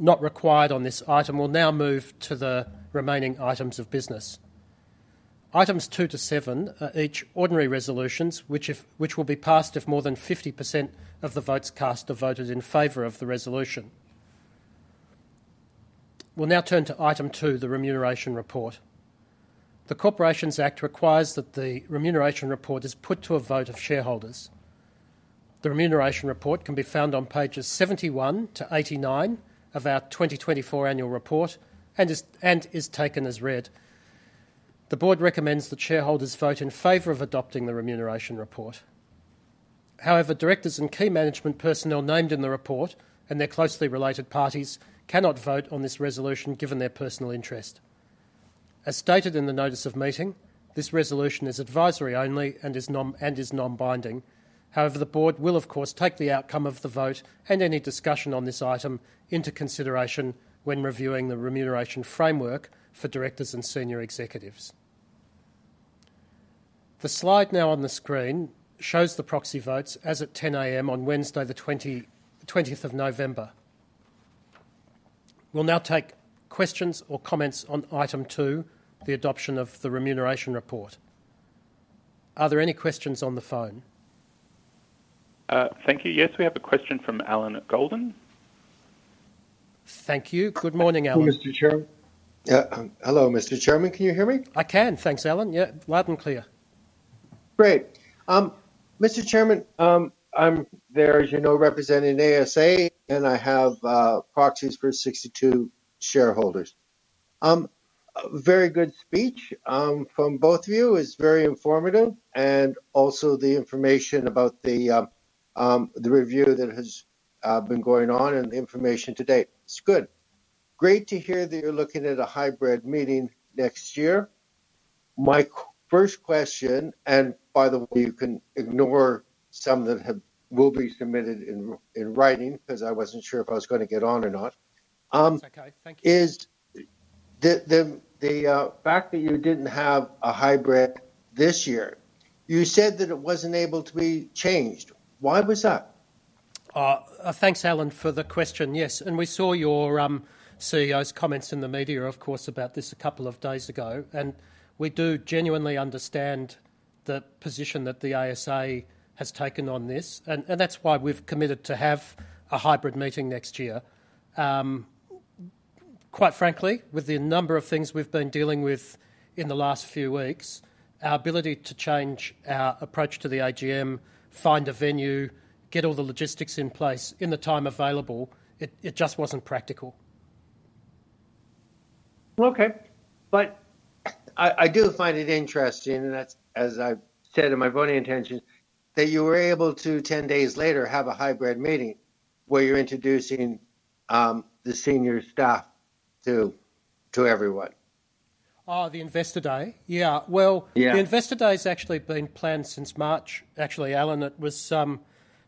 not required on this item, we'll now move to the remaining items of business. Items two to seven are each ordinary resolutions, which will be passed if more than 50% of the votes cast are voted in favor of the resolution. We'll now turn to item two, the Remuneration Report. The Corporations Act requires that the Remuneration Report is put to a vote of shareholders. The Remuneration Report can be found on pages 71-89 of our 2024 annual report and is taken as read. The board recommends that shareholders vote in favor of adopting the Remuneration Report. However, directors and key management personnel named in the report and their closely related parties cannot vote on this resolution given their personal interest. As stated in the notice of meeting, this resolution is advisory only and is non-binding. However, the board will, of course, take the outcome of the vote and any discussion on this item into consideration when reviewing the remuneration framework for directors and senior executives. The slide now on the screen shows the proxy votes as at 10:00 A.M. on Wednesday, the 20th of November. We'll now take questions or comments on item two, the adoption of the Remuneration Report. Are there any questions on the phone? Thank you. Yes, we have a question from Allan Goldin. Thank you. Good morning, Allan. Hello, Mr. Chairman. Hello, Mr. Chairman. Can you hear me? I can. Thanks, Allan. Yeah, loud and clear. Great. Mr. Chairman, I'm there, as you know, representing ASA, and I have proxies for 62 shareholders. Very good speech from both of you. It's very informative, and also the information about the review that has been going on and the information to date. It's good. Great to hear that you're looking at a hybrid meeting next year. My first question, and by the way, you can ignore some that will be submitted in writing because I wasn't sure if I was going to get on or not. Okay. Thank you. Is the fact that you didn't have a hybrid this year, you said that it wasn't able to be changed. Why was that? Thanks, Allan, for the question. Yes, and we saw your CEO's comments in the media, of course, about this a couple of days ago, and we do genuinely understand the position that the ASA has taken on this. And that's why we've committed to have a hybrid meeting next year. Quite frankly, with the number of things we've been dealing with in the last few weeks, our ability to change our approach to the AGM, find a venue, get all the logistics in place in the time available, it just wasn't practical. okay, but I do find it interesting, as I've said in my voting intentions, that you were able to, 10 days later, have a hybrid meeting where you're introducing the senior staff to everyone. Oh, the investor day, yeah, well, the investor day has actually been planned since March. Actually, Allan, it was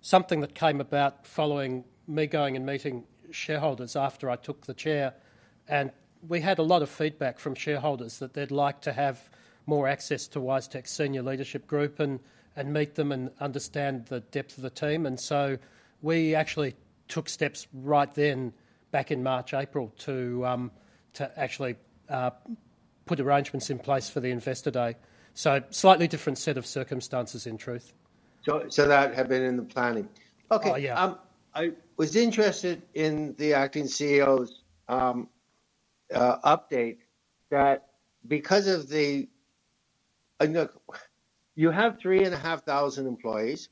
something that came about following me going and meeting shareholders after I took the chair, and we had a lot of feedback from shareholders that they'd like to have more access to WiseTech's senior leadership group and meet them and understand the depth of the team. And so we actually took steps right then back in March, April, to actually put arrangements in place for the investor day. So slightly different set of circumstances in truth. So that had been in the planning. Okay. I was interested in the Acting CEO's update, that because you have 3,500 employees.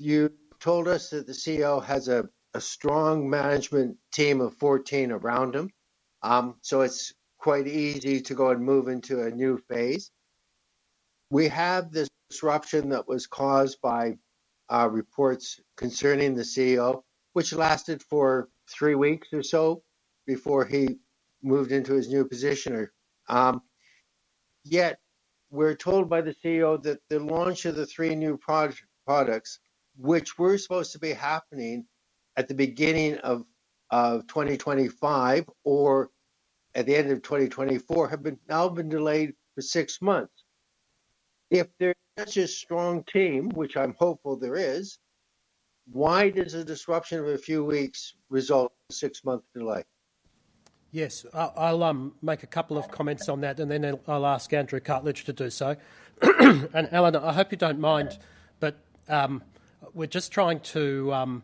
You told us that the CEO has a strong management team of 14 around him. So it's quite easy to go and move into a new phase. We have this disruption that was caused by reports concerning the CEO, which lasted for three weeks or so before he moved into his new position. Yet we're told by the CEO that the launch of the three new products, which were supposed to be happening at the beginning of 2025 or at the end of 2024, have now been delayed for six months. If there's such a strong team, which I'm hopeful there is, why does a disruption of a few weeks result in a six-month delay? Yes. I'll make a couple of comments on that, and then I'll ask Andrew Cartledge to do so. And Allan, I hope you don't mind, but we're just trying to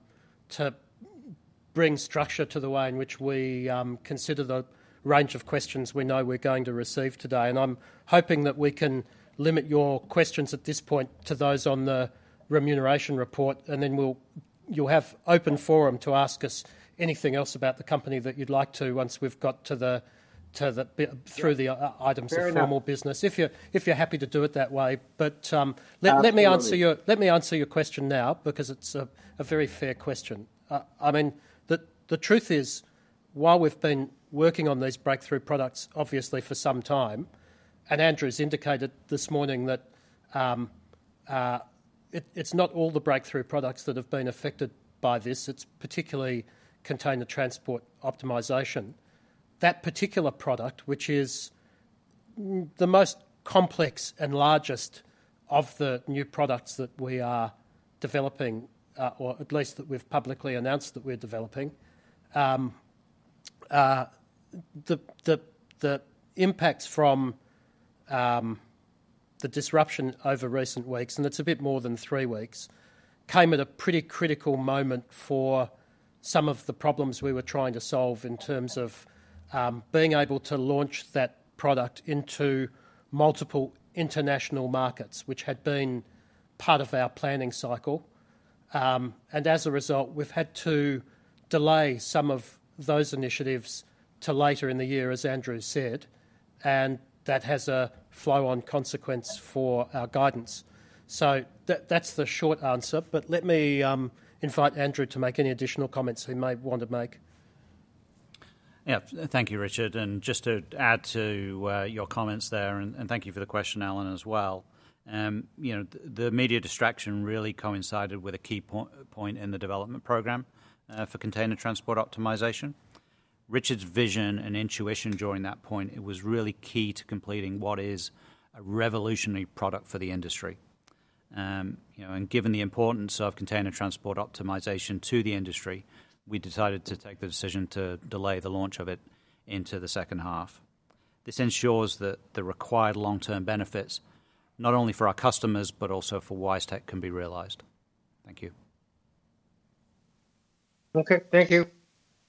bring structure to the way in which we consider the range of questions we know we're going to receive today. And I'm hoping that we can limit your questions at this point to those on the Remuneration Report, and then you'll have open forum to ask us anything else about the company that you'd like to once we've got through the items of formal business, if you're happy to do it that way. But let me answer your question now because it's a very fair question. I mean, the truth is, while we've been working on these breakthrough products, obviously, for some time, and Andrew has indicated this morning that it's not all the breakthrough products that have been affected by this. It's particularly Container Transport Optimization. That particular product, which is the most complex and largest of the new products that we are developing, or at least that we've publicly announced that we're developing. The impacts from the disruption over recent weeks, and it's a bit more than three weeks, came at a pretty critical moment for some of the problems we were trying to solve in terms of being able to launch that product into multiple international markets, which had been part of our planning cycle. As a result, we've had to delay some of those initiatives to later in the year, as Andrew said, and that has a flow-on consequence for our guidance. So that's the short answer. But let me invite Andrew to make any additional comments he may want to make. Yeah. Thank you, Richard. And just to add to your comments there, and thank you for the question, Allan, as well. The media distraction really coincided with a key point in the development program for Container Transport Optimization. Richard's vision and intuition during that point was really key to completing what is a revolutionary product for the industry. And given the importance of Container Transport Optimization to the industry, we decided to take the decision to delay the launch of it into the second half. This ensures that the required long-term benefits not only for our customers but also for WiseTech can be realized. Thank you. Okay. Thank you.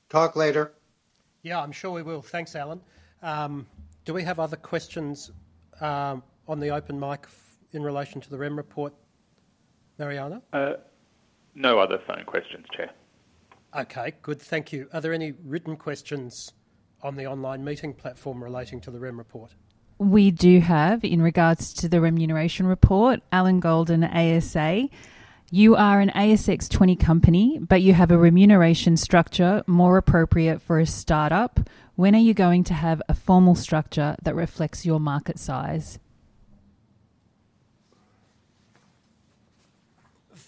Talk later. Yeah, I'm sure we will. Thanks, Allan. Do we have other questions on the open mic in relation to the Rem report? Mariana? No other phone questions, Chair. Okay. Good. Thank you. Are there any written questions on the online meeting platform relating to the Rem report? We do have in regards to the Remuneration Report. Allan Goldin, ASA, you are an ASX-20 company, but you have a remuneration structure more appropriate for a startup. When are you going to have a formal structure that reflects your market size?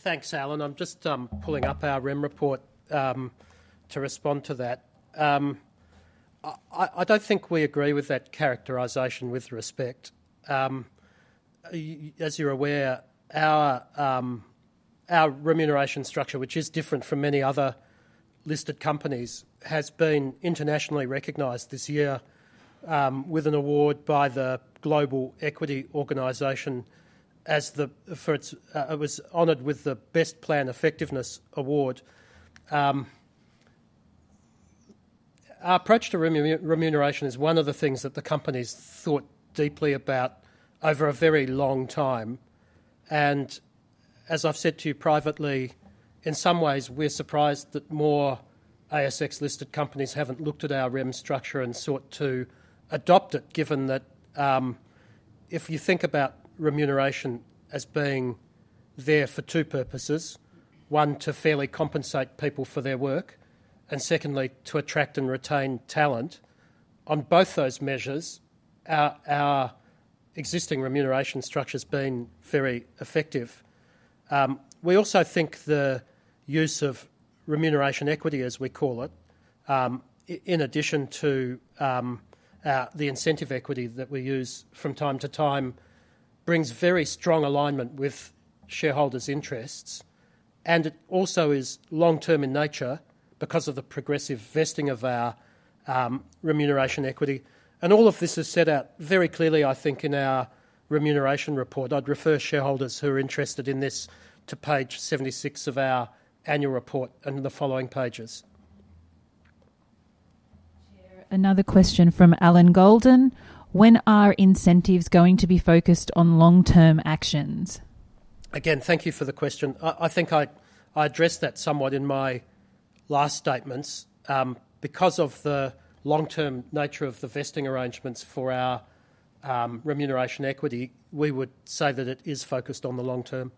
Thanks, Allan. I'm just pulling up our Rem report to respond to that. I don't think we agree with that characterization with respect. As you're aware, our remuneration structure, which is different from many other listed companies, has been internationally recognized this year with an award by the Global Equity Organization. It was honored with the Best Plan Effectiveness Award. Our approach to remuneration is one of the things that the companies thought deeply about over a very long time. And as I've said to you privately, in some ways, we're surprised that more ASX-listed companies haven't looked at our Rem structure and sought to adopt it, given that if you think about remuneration as being there for two purposes: one, to fairly compensate people for their work, and secondly, to attract and retain talent. On both those measures, our existing remuneration structure has been very effective. We also think the use of Remuneration Equity, as we call it, in addition to the Incentive Equity that we use from time to time, brings very strong alignment with shareholders' interests. And it also is long-term in nature because of the progressive vesting of our Remuneration Equity. And all of this is set out very clearly, I think, in our Remuneration Report. I'd refer shareholders who are interested in this to page 76 of our annual report and the following pages. Chair, another question from Allan Goldin. When are incentives going to be focused on long-term actions? Again, thank you for the question. I think I addressed that somewhat in my last statements. Because of the long-term nature of the vesting arrangements for our Remuneration Equity, we would say that it is focused on the long-term.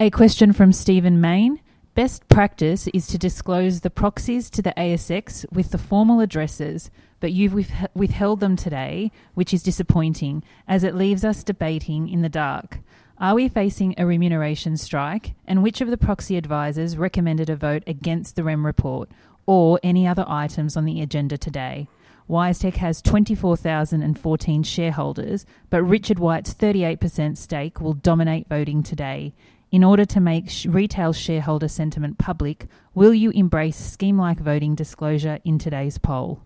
A question from Stephen Mayne. Best practice is to disclose the proxies to the ASX with the formal addresses, but you've withheld them today, which is disappointing, as it leaves us debating in the dark. Are we facing a remuneration strike, and which of the proxy advisors recommended a vote against the Rem report or any other items on the agenda today? WiseTech has 24,014 shareholders, but Richard White's 38% stake will dominate voting today. In order to make retail shareholder sentiment public, will you embrace scheme-like voting disclosure in today's poll?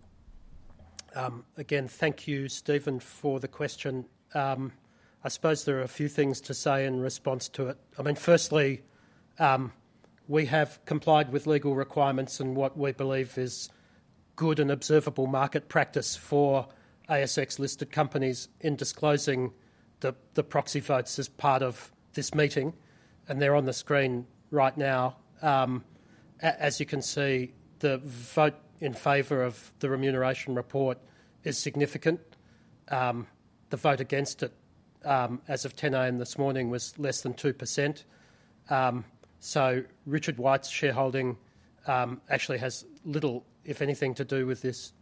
Again, thank you, Stephen, for the question. I suppose there are a few things to say in response to it. I mean, firstly, we have complied with legal requirements and what we believe is good and observable market practice for ASX-listed companies in disclosing the proxy votes as part of this meeting, and they're on the screen right now. As you can see, the vote in favor of the Remuneration Report is significant. The vote against it, as of 10:00 A.M. this morning, was less than 2%. So Richard White's shareholding actually has little, if anything, to do with this.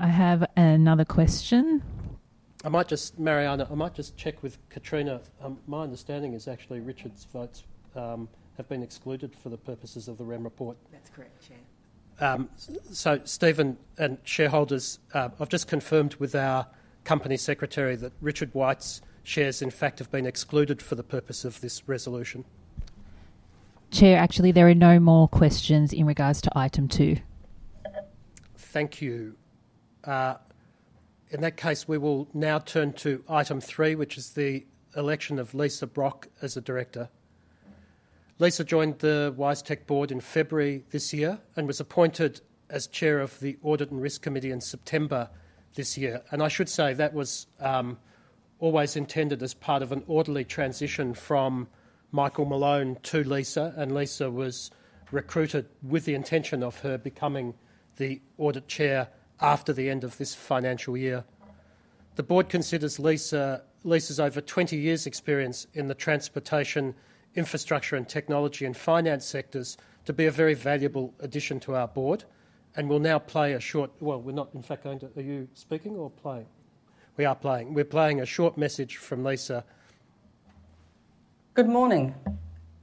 I have another question. Mariana, I might just check with Katrina. My understanding is actually Richard's votes have been excluded for the purposes of the Remuneration Report. That's correct, Chair. So Stephen and shareholders, I've just confirmed with our company secretary that Richard White's shares, in fact, have been excluded for the purpose of this resolution. Chair, actually, there are no more questions in regards to item two. Thank you. In that case, we will now turn to item three, which is the election of Lisa Brock as a director. Lisa joined the WiseTech board in February this year and was appointed as chair of the Audit and Risk Committee in September this year, and I should say that was always intended as part of an orderly transition from Michael Malone to Lisa, and Lisa was recruited with the intention of her becoming the audit chair after the end of this financial year. The board considers Lisa's over 20 years' experience in the transportation, infrastructure, and technology and finance sectors to be a very valuable addition to our board and will now play a short, well, we're not, in fact, going to, are you speaking or playing? We are playing. We're playing a short message from Lisa. Good morning.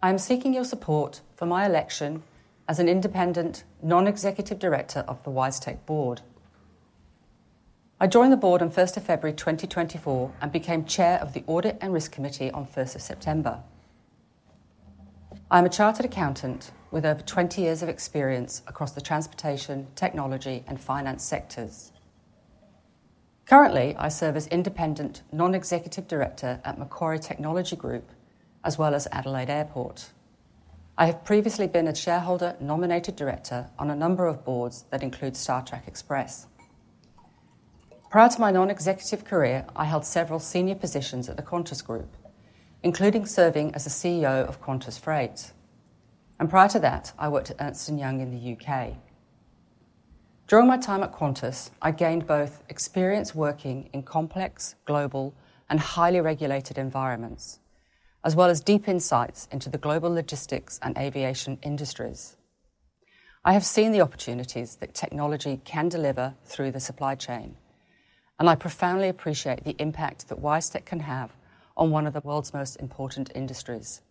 I'm seeking your support for my election as an independent non-executive director of the WiseTech board. I joined the board on 1 February 2024 and became Chair of the Audit and Risk Committee on 1 September. I'm a chartered accountant with over 20 years of experience across the transportation, technology, and finance sectors. Currently, I serve as independent non-executive director at Macquarie Technology Group, as well as Adelaide Airport. I have previously been a shareholder-nominated director on a number of boards that include StarTrack. Prior to my non-executive career, I held several senior positions at the Qantas Group, including serving as the CEO of Qantas Freight, and prior to that, I worked at Ernst & Young in the U.K. During my time at Qantas, I gained both experience working in complex, global, and highly regulated environments, as well as deep insights into the global logistics and aviation industries. I have seen the opportunities that technology can deliver through the supply chain, and I profoundly appreciate the impact that WiseTech can have on one of the world's most important industries.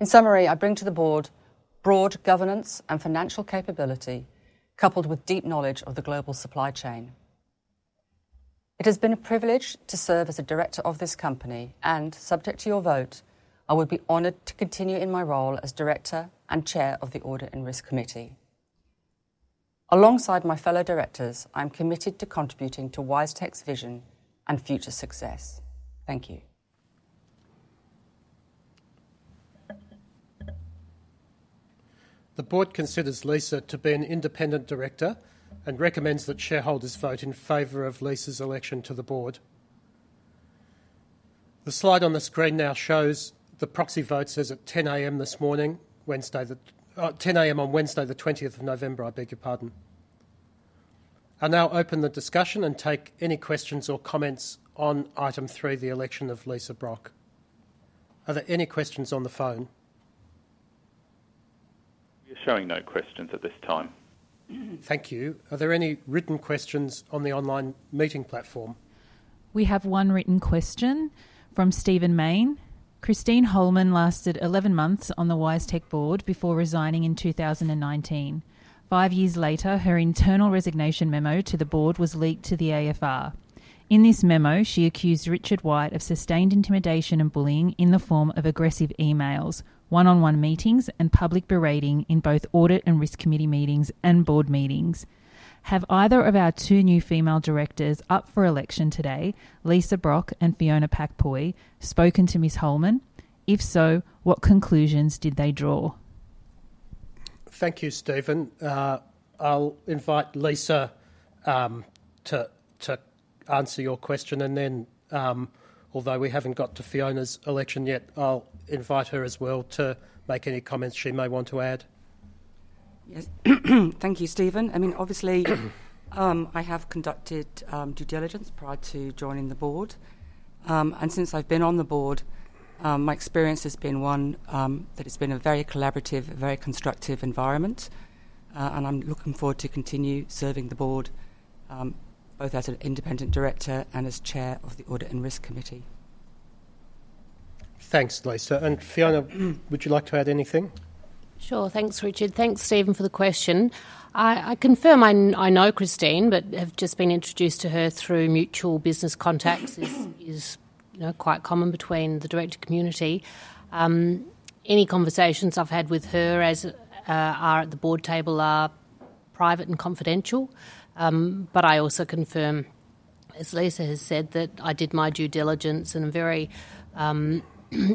In summary, I bring to the board broad governance and financial capability coupled with deep knowledge of the global supply chain. It has been a privilege to serve as a director of this company, and subject to your vote, I would be honored to continue in my role as director and Chair of the Audit and Risk Committee. Alongside my fellow directors, I'm committed to contributing to WiseTech's vision and future success. Thank you. The board considers Lisa to be an independent director and recommends that shareholders vote in favor of Lisa's election to the board. The slide on the screen now shows the proxy votes as at 10:00 A.M. this morning, Wednesday, 10:00 A.M. on Wednesday, the 20th of November, I beg your pardon. I'll now open the discussion and take any questions or comments on item three, the election of Lisa Brock. Are there any questions on the phone? We are showing no questions at this time. Thank you. Are there any written questions on the online meeting platform? We have one written question from Stephen Mayne. Christine Holman lasted 11 months on the WiseTech board before resigning in 2019. Five years later, her internal resignation memo to the board was leaked to the AFR. In this memo, she accused Richard White of sustained intimidation and bullying in the form of aggressive emails, one-on-one meetings, and public berating in both audit and risk committee meetings and board meetings. Have either of our two new female directors up for election today, Lisa Brock and Fiona Pak-Poy, spoken to Ms. Holman? If so, what conclusions did they draw? Thank you, Stephen. I'll invite Lisa to answer your question. And then, although we haven't got to Fiona's election yet, I'll invite her as well to make any comments she may want to add. Yes. Thank you, Stephen. I mean, obviously, I have conducted due diligence prior to joining the board. And since I've been on the board, my experience has been one that it's been a very collaborative, very constructive environment. And I'm looking forward to continue serving the board both as an independent director and as Chair of the Audit and Risk Committee. Thanks, Lisa. And Fiona, would you like to add anything? Sure. Thanks, Richard. Thanks, Stephen, for the question. I confirm I know Christine, but have just been introduced to her through mutual business contacts is quite common between the director community. Any conversations I've had with her, as they are at the board table, are private and confidential. But I also confirm, as Lisa has said, that I did my due diligence and I'm very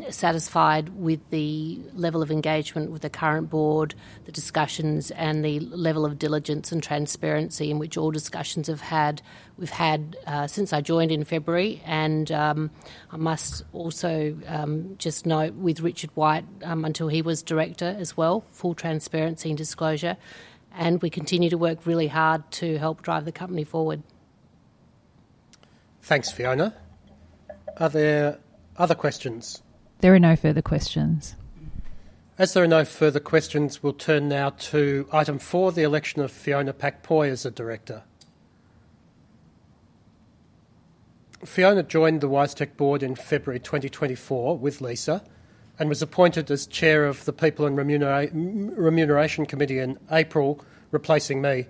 satisfied with the level of engagement with the current board, the discussions, and the level of diligence and transparency in which all discussions have had since I joined in February. And I must also just note with Richard White until he was director as well, full transparency and disclosure. And we continue to work really hard to help drive the company forward. Thanks, Fiona. Are there other questions? There are no further questions. As there are no further questions, we'll turn now to item four, the election of Fiona Pak-Poy as a director. Fiona joined the WiseTech board in February 2024 with Lisa and was appointed as Chair of the People and Remuneration Committee in April, replacing me.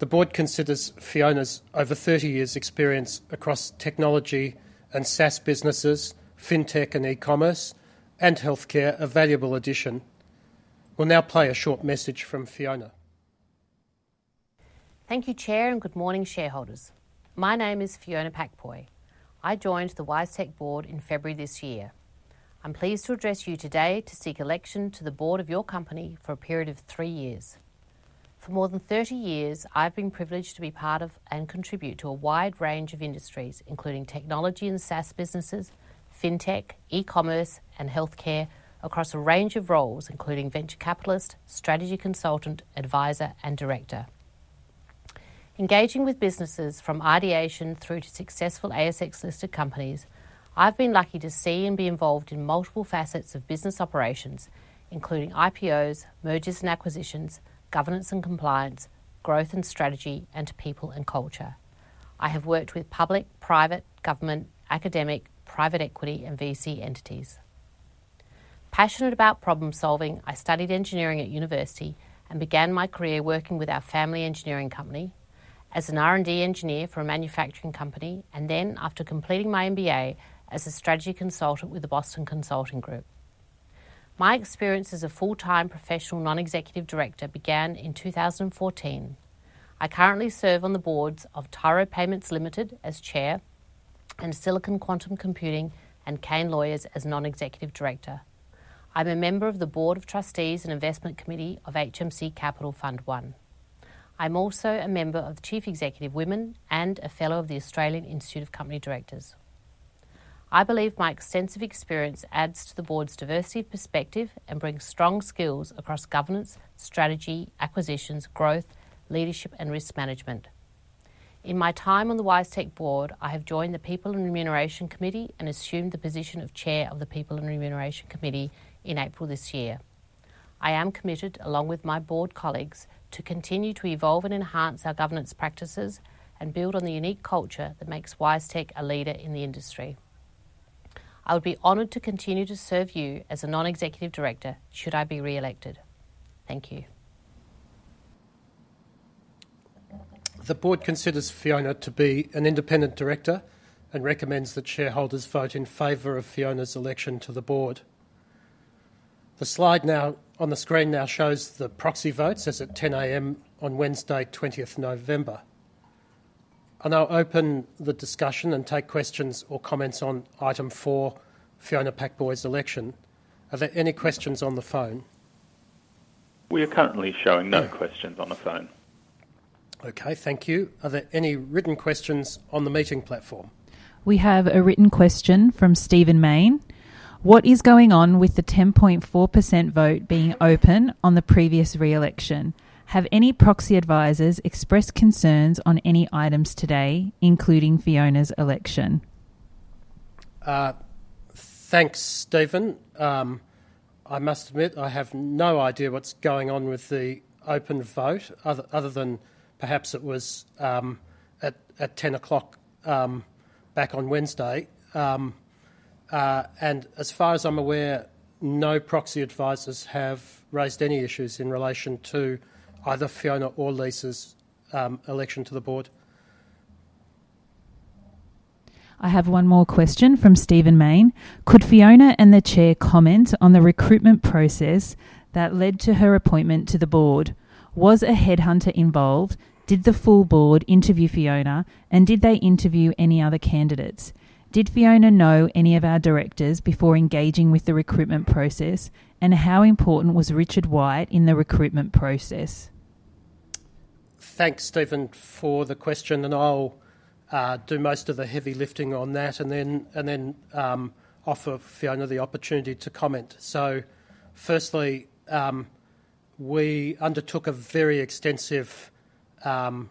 The board considers Fiona's over 30 years' experience across technology and SaaS businesses, fintech and e-commerce, and healthcare a valuable addition. We'll now play a short message from Fiona. Thank you, Chair, and good morning, shareholders. My name is Fiona Pak-Poy. I joined the WiseTech board in February this year. I'm pleased to address you today to seek election to the board of your company for a period of three years. For more than 30 years, I've been privileged to be part of and contribute to a wide range of industries, including technology and SaaS businesses, fintech, e-commerce, and healthcare across a range of roles, including venture capitalist, strategy consultant, advisor, and director. Engaging with businesses from ideation through to successful ASX-listed companies, I've been lucky to see and be involved in multiple facets of business operations, including IPOs, mergers and acquisitions, governance and compliance, growth and strategy, and people and culture. I have worked with public, private, government, academic, private equity, and VC entities. Passionate about problem-solving, I studied engineering at university and began my career working with our family engineering company as an R&D engineer for a manufacturing company, and then, after completing my MBA, as a strategy consultant with the Boston Consulting Group. My experience as a full-time professional non-executive director began in 2014. I currently serve on the boards of Tyro Payments Limited as Chair and Silicon Quantum Computing and Kain Lawyers as non-executive director. I'm a member of the Board of Trustees and Investment Committee of HMC Capital Fund I. I'm also a member of the Chief Executive Women and a fellow of the Australian Institute of Company Directors. I believe my extensive experience adds to the board's diversity of perspective and brings strong skills across governance, strategy, acquisitions, growth, leadership, and risk management. In my time on the WiseTech board, I have joined the People and Remuneration Committee and assumed the position of Chair of the People and Remuneration Committee in April this year. I am committed, along with my board colleagues, to continue to evolve and enhance our governance practices and build on the unique culture that makes WiseTech a leader in the industry. I would be honored to continue to serve you as a non-executive director should I be re-elected. Thank you. The board considers Fiona to be an independent director and recommends that shareholders vote in favor of Fiona's election to the board. The slide on the screen now shows the proxy votes as at 10:00 A.M. on Wednesday, 20th November. And I'll open the discussion and take questions or comments on item four, Fiona Pak-Poy's election. Are there any questions on the phone? We are currently showing no questions on the phone. Okay. Thank you. Are there any written questions on the meeting platform? We have a written question from Stephen Mayne. What is going on with the 10.4% vote being open on the previous re-election? Have any proxy advisors expressed concerns on any items today, including Fiona's election? Thanks, Stephen. I must admit, I have no idea what's going on with the open vote other than perhaps it was at 10 o'clock back on Wednesday. And as far as I'm aware, no proxy advisors have raised any issues in relation to either Fiona or Lisa's election to the board. I have one more question from Stephen Mayne. Could Fiona and the Chair comment on the recruitment process that led to her appointment to the board? Was a headhunter involved? Did the full board interview Fiona? And did they interview any other candidates? Did Fiona know any of our directors before engaging with the recruitment process? And how important was Richard White in the recruitment process? Thanks, Stephen, for the question. And I'll do most of the heavy lifting on that and then offer Fiona the opportunity to comment. So firstly, we undertook a very extensive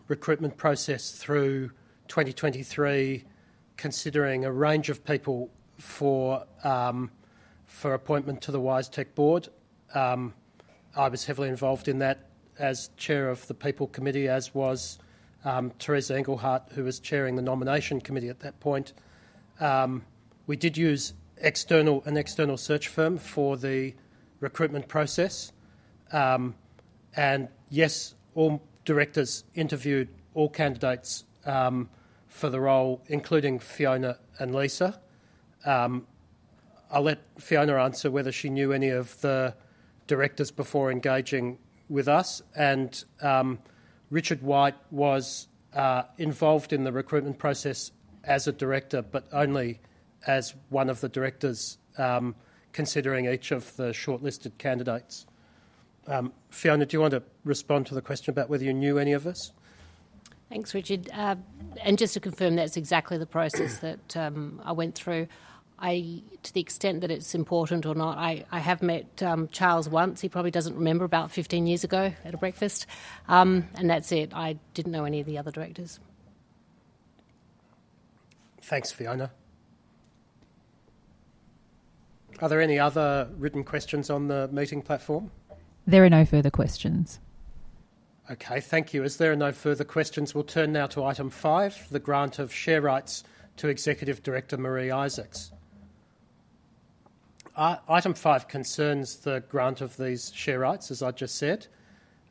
recruitment process through 2023, considering a range of people for appointment to the WiseTech board. I was heavily involved in that as Chair of the People Committee, as was Teresa Engelhard, who was chairing the Nomination Committee at that point. We did use an external search firm for the recruitment process. And yes, all directors interviewed all candidates for the role, including Fiona and Lisa. I'll let Fiona answer whether she knew any of the directors before engaging with us. And Richard White was involved in the recruitment process as a director, but only as one of the directors, considering each of the shortlisted candidates. Fiona, do you want to respond to the question about whether you knew any of us? Thanks, Richard. And just to confirm, that's exactly the process that I went through. To the extent that it's important or not, I have met Charles once. He probably doesn't remember, about 15 years ago at a breakfast. And that's it. I didn't know any of the other directors. Thanks, Fiona. Are there any other written questions on the meeting platform? There are no further questions. Okay. Thank you. As there are no further questions, we'll turn now to item five, the grant of share rights to Executive Director Maree Isaacs. Item five concerns the grant of these share rights, as I just said.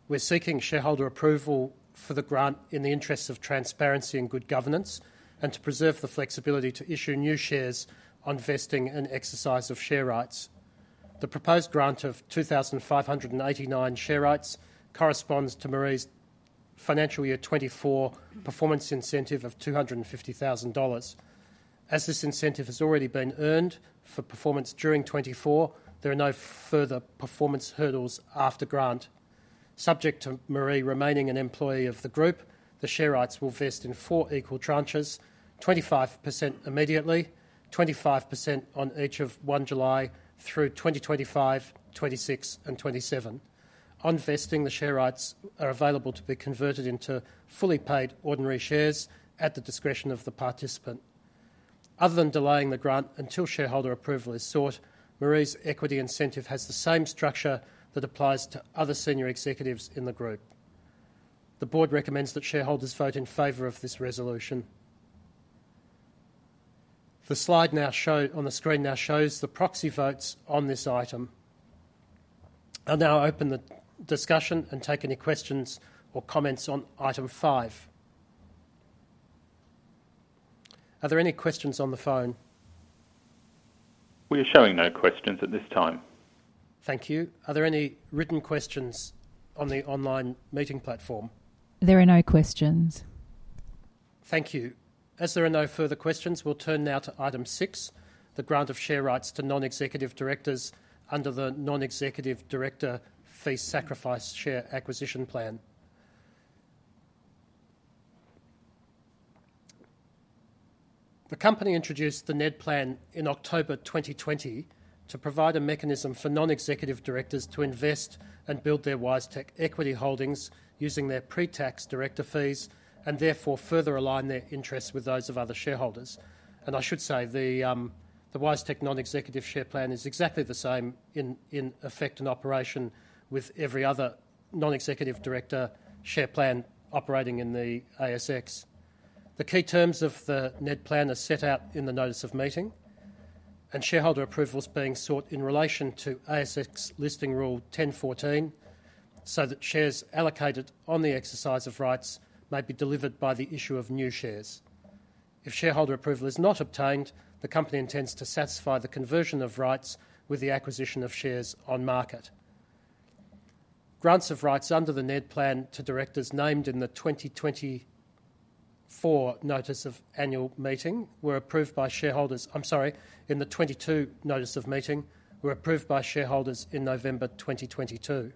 We're seeking shareholder approval for the grant in the interest of transparency and good governance and to preserve the flexibility to issue new shares on vesting and exercise of share rights. The proposed grant of 2,589 share rights corresponds to Maree's financial year 2024 performance incentive of 250,000 dollars. As this incentive has already been earned for performance during 2024, there are no further performance hurdles after grant. Subject to Maree remaining an employee of the group, the share rights will vest in four equal tranches, 25% immediately, 25% on each of 1 July through 2025, 2026, and 2027. On vesting, the share rights are available to be converted into fully paid ordinary shares at the discretion of the participant. Other than delaying the grant until shareholder approval is sought, Maree's equity incentive has the same structure that applies to other senior executives in the group. The board recommends that shareholders vote in favor of this resolution. The slide on the screen now shows the proxy votes on this item. I'll now open the discussion and take any questions or comments on item five. Are there any questions on the phone? We are showing no questions at this time. Thank you. Are there any written questions on the online meeting platform? There are no questions. Thank you. As there are no further questions, we'll turn now to item six, the grant of share rights to non-executive directors under the Non-Executive Director Fee Sacrifice Share Acquisition Plan. The company introduced the NED Plan in October 2020 to provide a mechanism for non-executive directors to invest and build their WiseTech equity holdings using their pre-tax director fees and therefore further align their interests with those of other shareholders. And I should say the WiseTech non-executive share plan is exactly the same in effect and operation with every other non-executive director share plan operating in the ASX. The key terms of the NED Plan are set out in the notice of meeting and shareholder approvals being sought in relation to ASX Listing Rule 10.14 so that shares allocated on the exercise of rights may be delivered by the issue of new shares. If shareholder approval is not obtained, the company intends to satisfy the conversion of rights with the acquisition of shares on market. Grants of rights under the NED Plan to directors named in the 2024 Notice of Annual Meeting were approved by shareholders, I'm sorry, in the 2022 notice of meeting were approved by shareholders in November 2022.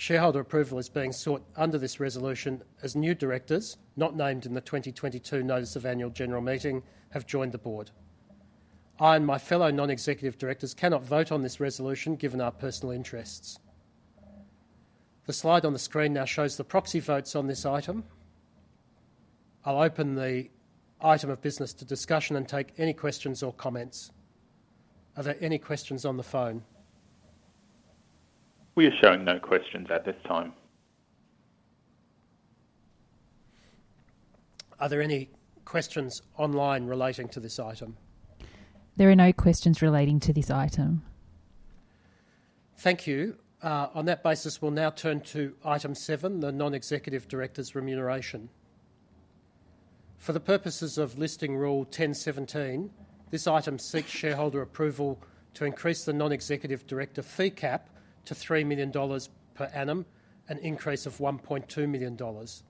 Shareholder approval is being sought under this resolution as new directors not named in the 2022 notice of annual general meeting have joined the board. I and my fellow non-executive directors cannot vote on this resolution given our personal interests. The slide on the screen now shows the proxy votes on this item. I'll open the item of business to discussion and take any questions or comments. Are there any questions on the phone? We are showing no questions at this time. Are there any questions online relating to this item? There are no questions relating to this item. Thank you. On that basis, we'll now turn to item seven, the non-executive director's remuneration. For the purposes of Listing Rule 10.17, this item seeks shareholder approval to increase the non-executive director fee cap to 3 million dollars per annum and increase of 1.2 million dollars.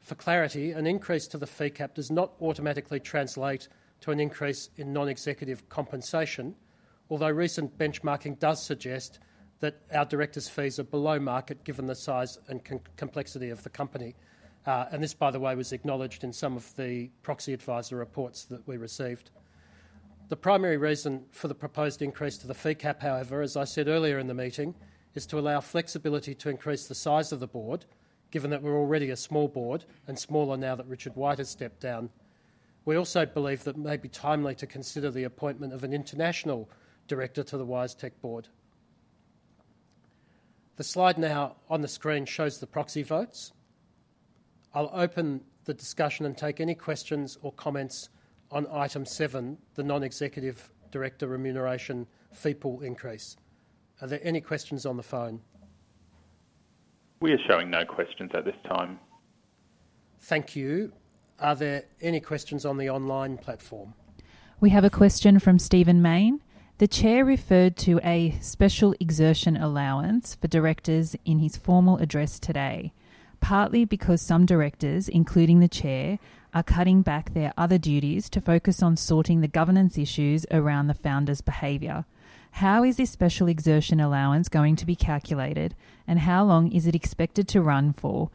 For clarity, an increase to the fee cap does not automatically translate to an increase in non-executive compensation, although recent benchmarking does suggest that our directors' fees are below market given the size and complexity of the company. And this, by the way, was acknowledged in some of the proxy advisor reports that we received. The primary reason for the proposed increase to the fee cap, however, as I said earlier in the meeting, is to allow flexibility to increase the size of the board, given that we're already a small board and smaller now that Richard White has stepped down. We also believe that it may be timely to consider the appointment of an international director to the WiseTech board. The slide now on the screen shows the proxy votes. I'll open the discussion and take any questions or comments on item seven, the non-executive director remuneration fee pool increase. Are there any questions on the phone? We are showing no questions at this time. Thank you. Are there any questions on the online platform? We have a question from Stephen Mayne. The Chair referred to a special exertion allowance for directors in his formal address today, partly because some directors, including the Chair, are cutting back their other duties to focus on sorting the governance issues around the founders' behavior. How is this special exertion allowance going to be calculated, and how long is it expected to run for?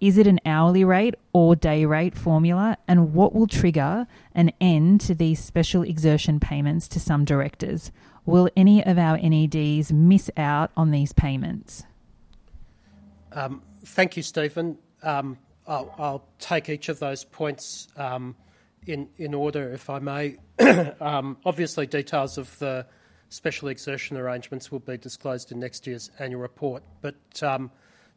Is it an hourly rate or day rate formula, and what will trigger an end to these special exertion payments to some directors? Will any of our NEDs miss out on these payments? Thank you, Stephen. I'll take each of those points in order, if I may. Obviously, details of the special exertion arrangements will be disclosed in next year's annual report. But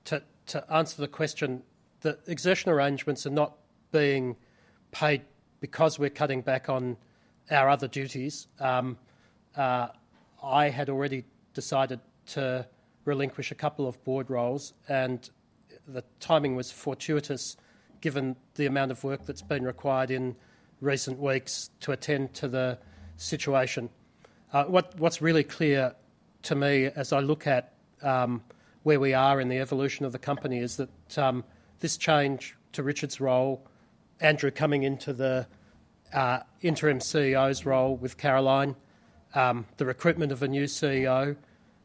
to answer the question, the exertion arrangements are not being paid because we're cutting back on our other duties. I had already decided to relinquish a couple of board roles, and the timing was fortuitous given the amount of work that's been required in recent weeks to attend to the situation. What's really clear to me as I look at where we are in the evolution of the company is that this change to Richard's role, Andrew coming into the interim CEO's role with Caroline, the recruitment of a new CEO,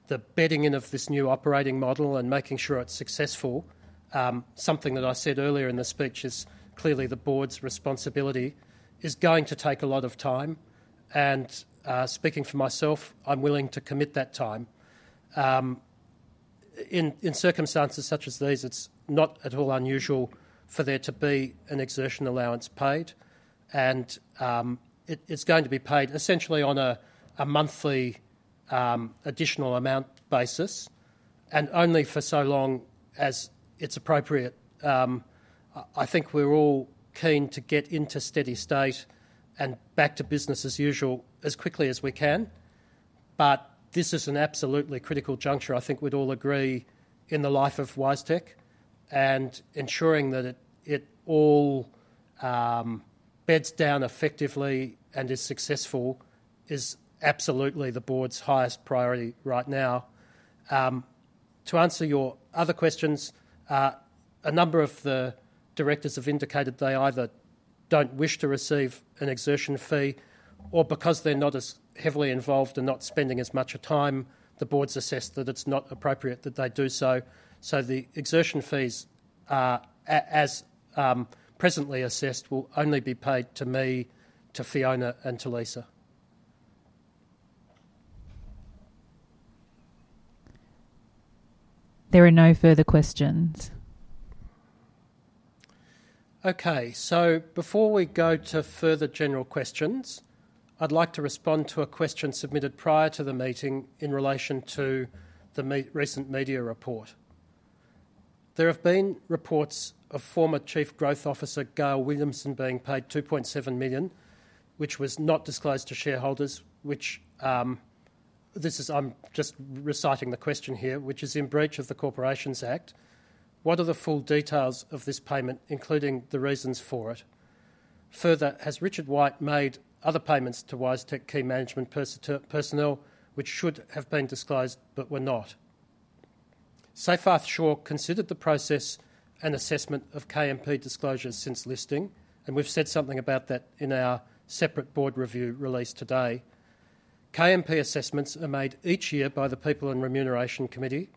the bedding in of this new operating model and making sure it's successful, something that I said earlier in the speech is clearly the board's responsibility, is going to take a lot of time. And speaking for myself, I'm willing to commit that time. In circumstances such as these, it's not at all unusual for there to be an exertion allowance paid. And it's going to be paid essentially on a monthly additional amount basis and only for so long as it's appropriate. I think we're all keen to get into steady state and back to business as usual as quickly as we can. This is an absolutely critical juncture, I think we'd all agree, in the life of WiseTech. Ensuring that it all beds down effectively and is successful is absolutely the board's highest priority right now. To answer your other questions, a number of the directors have indicated they either don't wish to receive an exertion fee or because they're not as heavily involved and not spending as much time, the board's assessed that it's not appropriate that they do so. So the exertion fees, as presently assessed, will only be paid to me, to Fiona, and to Lisa. There are no further questions. Okay. Before we go to further general questions, I'd like to respond to a question submitted prior to the meeting in relation to the recent media report. There have been reports of former Chief Growth Officer Gail Williamson being paid 2.7 million, which was not disclosed to shareholders, which this is I'm just reciting the question here, which is in breach of the Corporations Act. What are the full details of this payment, including the reasons for it? Further, has Richard White made other payments to WiseTech key management personnel, which should have been disclosed but were not? Seyfarth Shaw considered the process and assessment of KMP disclosures since listing, and we've said something about that in our separate board review released today. KMP assessments are made each year by the People and Remuneration Committee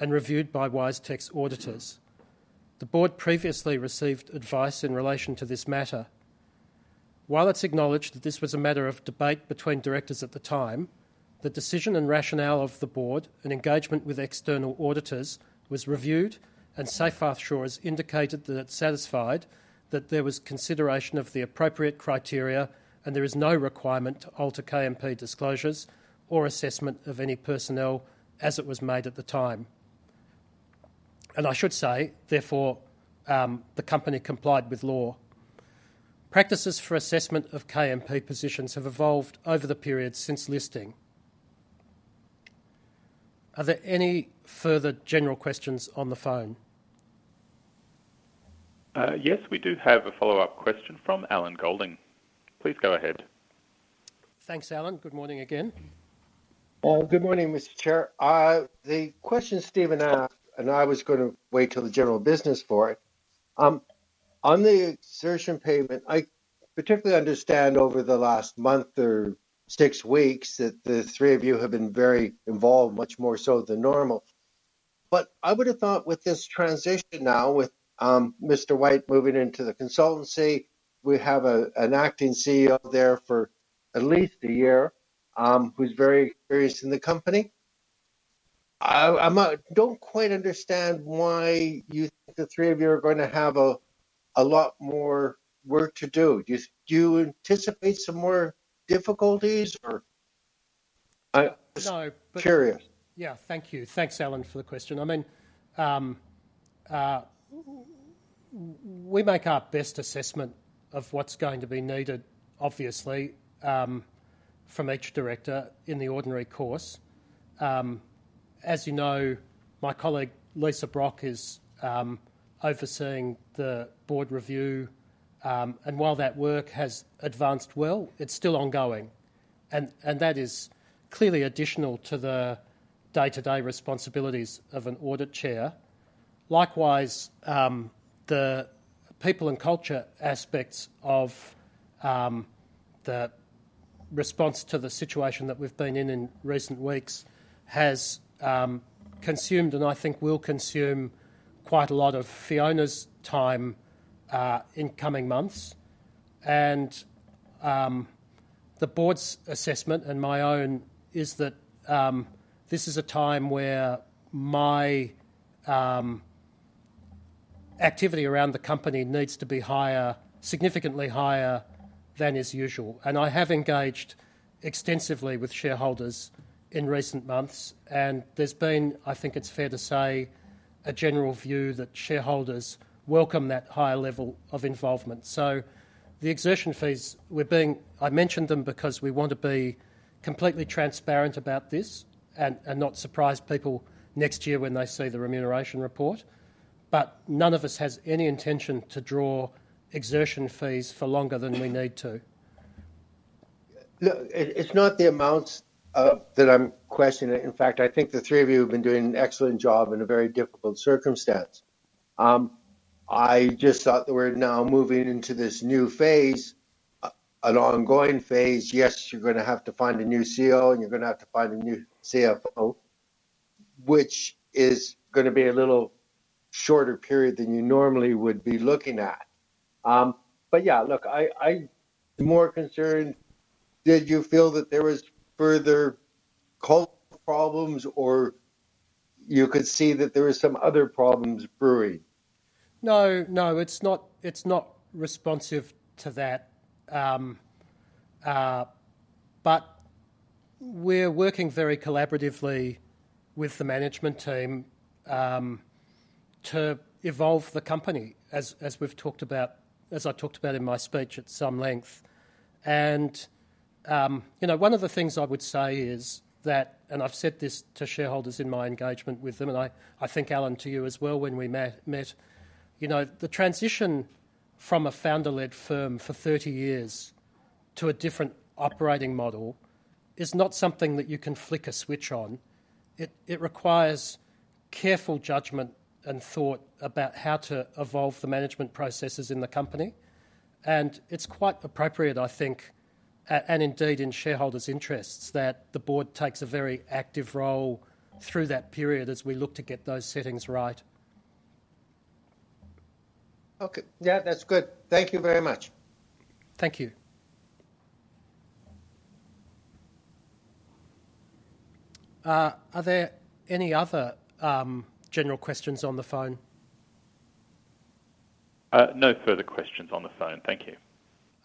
and reviewed by WiseTech's auditors. The board previously received advice in relation to this matter. While it's acknowledged that this was a matter of debate between directors at the time, the decision and rationale of the board and engagement with external auditors was reviewed, and Seyfarth Shaw has indicated that it's satisfied that there was consideration of the appropriate criteria, and there is no requirement to alter KMP disclosures or assessment of any personnel as it was made at the time. And I should say, therefore, the company complied with law. Practices for assessment of KMP positions have evolved over the period since listing. Are there any further general questions on the phone? Yes, we do have a follow-up question from Allan Goldin. Please go ahead. Thanks, Allan. Good morning again. Good morning, Mr. Chair. The question Stephen asked, and I was going to wait till the general business for it. On the executive payment, I particularly understand over the last month or six weeks that the three of you have been very involved, much more so than normal. But I would have thought with this transition now, with Mr. White moving into the consultancy, we have an acting CEO there for at least a year who's very experienced in the company. I don't quite understand why you think the three of you are going to have a lot more work to do. Do you anticipate some more difficulties, or I'm curious? Yeah. Thank you. Thanks, Allan, for the question. I mean, we make our best assessment of what's going to be needed, obviously, from each director in the ordinary course. As you know, my colleague Lisa Brock is overseeing the board review. And while that work has advanced well, it's still ongoing. And that is clearly additional to the day-to-day responsibilities of an audit chair. Likewise, the people and culture aspects of the response to the situation that we've been in in recent weeks has consumed and I think will consume quite a lot of Fiona's time in coming months. And the board's assessment and my own is that this is a time where my activity around the company needs to be significantly higher than is usual. And I have engaged extensively with shareholders in recent months. And there's been, I think it's fair to say, a general view that shareholders welcome that higher level of involvement. So the exertion fees, I mentioned them because we want to be completely transparent about this and not surprise people next year when they see theRemuneration Report. But none of us has any intention to draw exertion fees for longer than we need to. Look, it's not the amounts that I'm questioning. In fact, I think the three of you have been doing an excellent job in a very difficult circumstance. I just thought that we're now moving into this new phase, an ongoing phase. Yes, you're going to have to find a new CEO, and you're going to have to find a new CFO, which is going to be a little shorter period than you normally would be looking at. But yeah, look, I'm more concerned. Did you feel that there were further cultural problems or you could see that there were some other problems brewing? No, no. It's not responsive to that. But we're working very collaboratively with the management team to evolve the company, as we've talked about, as I talked about in my speech at some length. One of the things I would say is that, and I've said this to shareholders in my engagement with them, and I think, Allan, to you as well when we met, the transition from a founder-led firm for 30 years to a different operating model is not something that you can flick a switch on. It requires careful judgment and thought about how to evolve the management processes in the company. It's quite appropriate, I think, and indeed in shareholders' interests, that the board takes a very active role through that period as we look to get those settings right. Okay. Yeah, that's good. Thank you very much. Thank you. Are there any other general questions on the phone? No further questions on the phone. Thank you.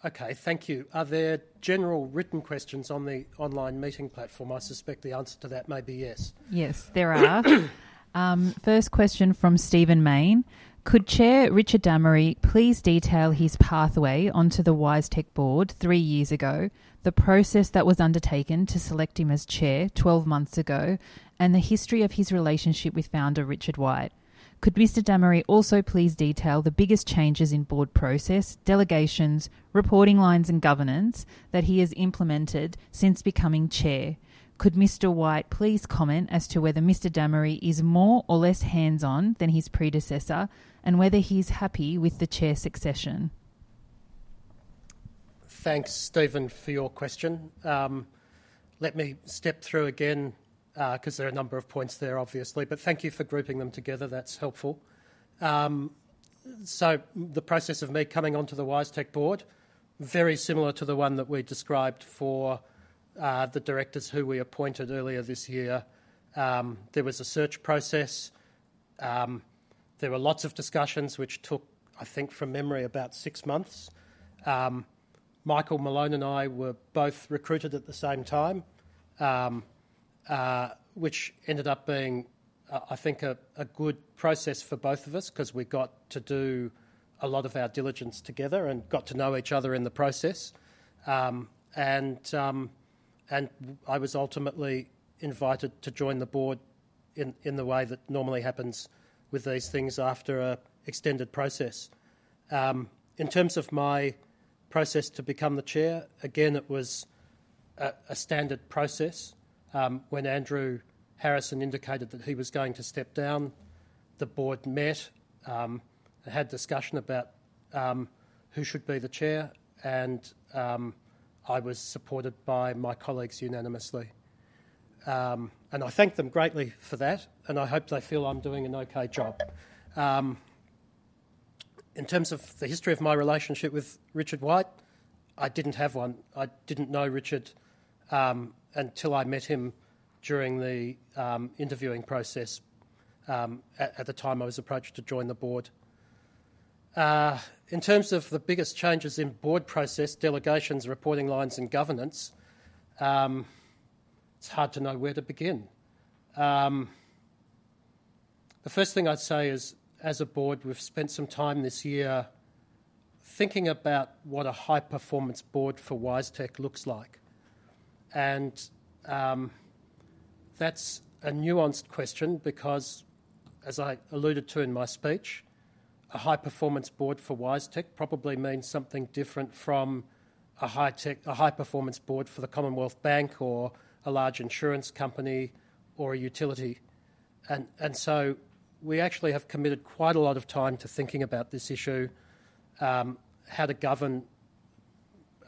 Okay. Thank you. Are there general written questions on the online meeting platform? I suspect the answer to that may be yes. Yes, there are. First question from Stephen Mayne. Could Chair Richard Dammery please detail his pathway onto the WiseTech board three years ago, the process that was undertaken to select him as chair 12 months ago, and the history of his relationship with founder Richard White? Could Mr. Dammery also please detail the biggest changes in board process, delegations, reporting lines, and governance that he has implemented since becoming chair? Could Mr. White please comment as to whether Mr. Dammery is more or less hands-on than his predecessor and whether he's happy with the chair succession? Thanks, Stephen, for your question. Let me step through again because there are a number of points there, obviously. But thank you for grouping them together. That's helpful. The process of me coming onto the WiseTech board was very similar to the one that we described for the directors who we appointed earlier this year. There was a search process. There were lots of discussions, which took, I think, from memory, about six months. Michael Malone and I were both recruited at the same time, which ended up being, I think, a good process for both of us because we got to do a lot of our diligence together and got to know each other in the process. I was ultimately invited to join the board in the way that normally happens with these things after an extended process. In terms of my process to become the chair, again, it was a standard process. When Andrew Harrison indicated that he was going to step down, the board met and had discussion about who should be the chair. I was supported by my colleagues unanimously. I thank them greatly for that. I hope they feel I'm doing an okay job. In terms of the history of my relationship with Richard White, I didn't have one. I didn't know Richard until I met him during the interviewing process at the time I was approached to join the board. In terms of the biggest changes in board process, delegations, reporting lines, and governance, it's hard to know where to begin. The first thing I'd say is, as a board, we've spent some time this year thinking about what a high-performance board for WiseTech looks like. That's a nuanced question because, as I alluded to in my speech, a high-performance board for WiseTech probably means something different from a high-performance board for the Commonwealth Bank or a large insurance company or a utility. We actually have committed quite a lot of time to thinking about this issue, how to govern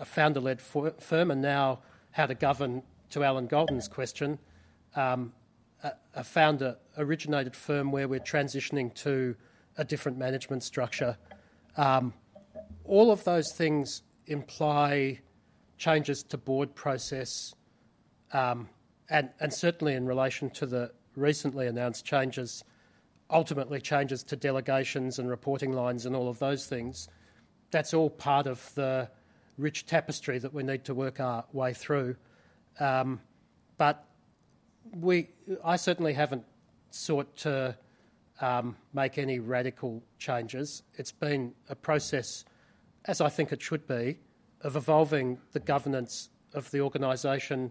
a founder-led firm and now how to govern, to Allan Goldin's question, a founder-originated firm where we're transitioning to a different management structure. All of those things imply changes to board process. Certainly in relation to the recently announced changes, ultimately changes to delegations and reporting lines and all of those things, that's all part of the rich tapestry that we need to work our way through. I certainly haven't sought to make any radical changes. It's been a process, as I think it should be, of evolving the governance of the organization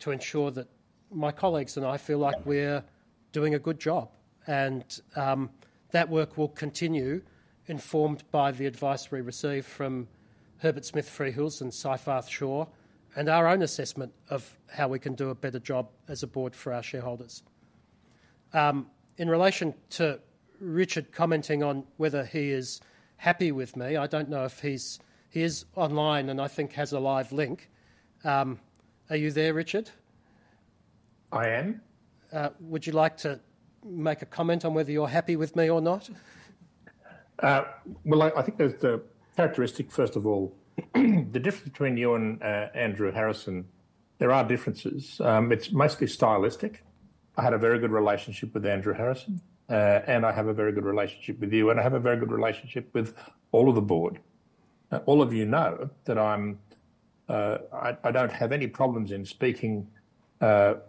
to ensure that my colleagues and I feel like we're doing a good job. That work will continue, informed by the advice we receive from Herbert Smith Freehills and Seyfarth Shaw and our own assessment of how we can do a better job as a board for our shareholders. In relation to Richard commenting on whether he is happy with me, I don't know if he's online and I think has a live link. Are you there, Richard? I am. Would you like to make a comment on whether you're happy with me or not? Well, I think there's the characteristic, first of all. The difference between you and Andrew Harrison, there are differences. It's mostly stylistic. I had a very good relationship with Andrew Harrison, and I have a very good relationship with you, and I have a very good relationship with all of the board. All of you know that I don't have any problems in speaking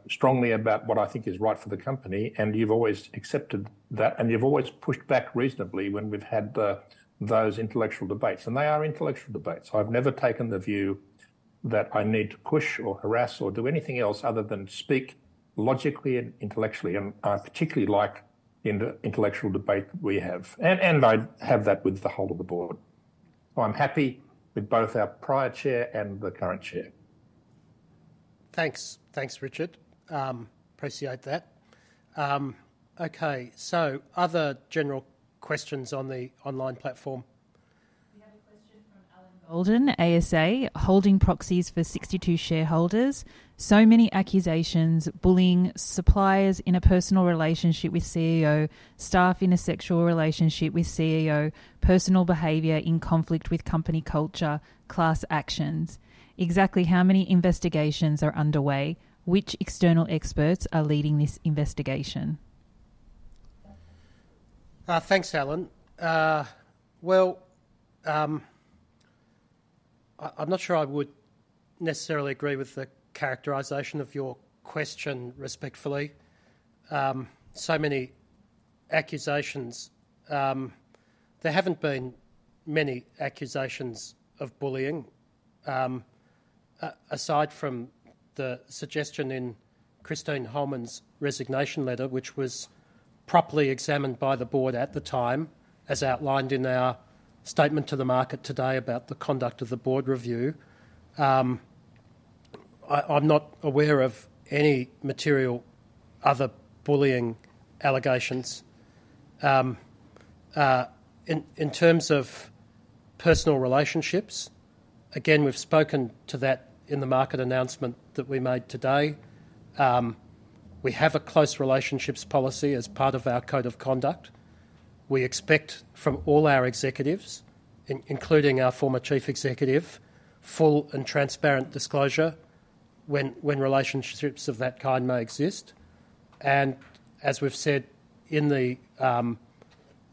strongly about what I think is right for the company. And you've always accepted that, and you've always pushed back reasonably when we've had those intellectual debates. And they are intellectual debates. I've never taken the view that I need to push or harass or do anything else other than speak logically and intellectually. And I particularly like the intellectual debate that we have. And I have that with the whole of the board. I'm happy with both our prior chair and the current chair. Thanks. Thanks, Richard. Appreciate that. Okay. So other general questions on the online platform? We have a question from Allan Goldin, ASA, holding proxies for 62 shareholders. So many accusations, bullying, suppliers, interpersonal relationship with CEO, staff sexual relationship with CEO, personal behavior in conflict with company culture, class actions. Exactly how many investigations are underway? Which external experts are leading this investigation? Thanks, Allan. Well, I'm not sure I would necessarily agree with the characterization of your question respectfully. So many accusations. There haven't been many accusations of bullying aside from the suggestion in Christine Holman's resignation letter, which was properly examined by the board at the time, as outlined in our statement to the market today about the conduct of the board review. I'm not aware of any material other bullying allegations. In terms of personal relationships, again, we've spoken to that in the market announcement that we made today. We have a Close Relationships Policy as part of our code of conduct. We expect from all our executives, including our former chief executive, full and transparent disclosure when relationships of that kind may exist. As we've said in the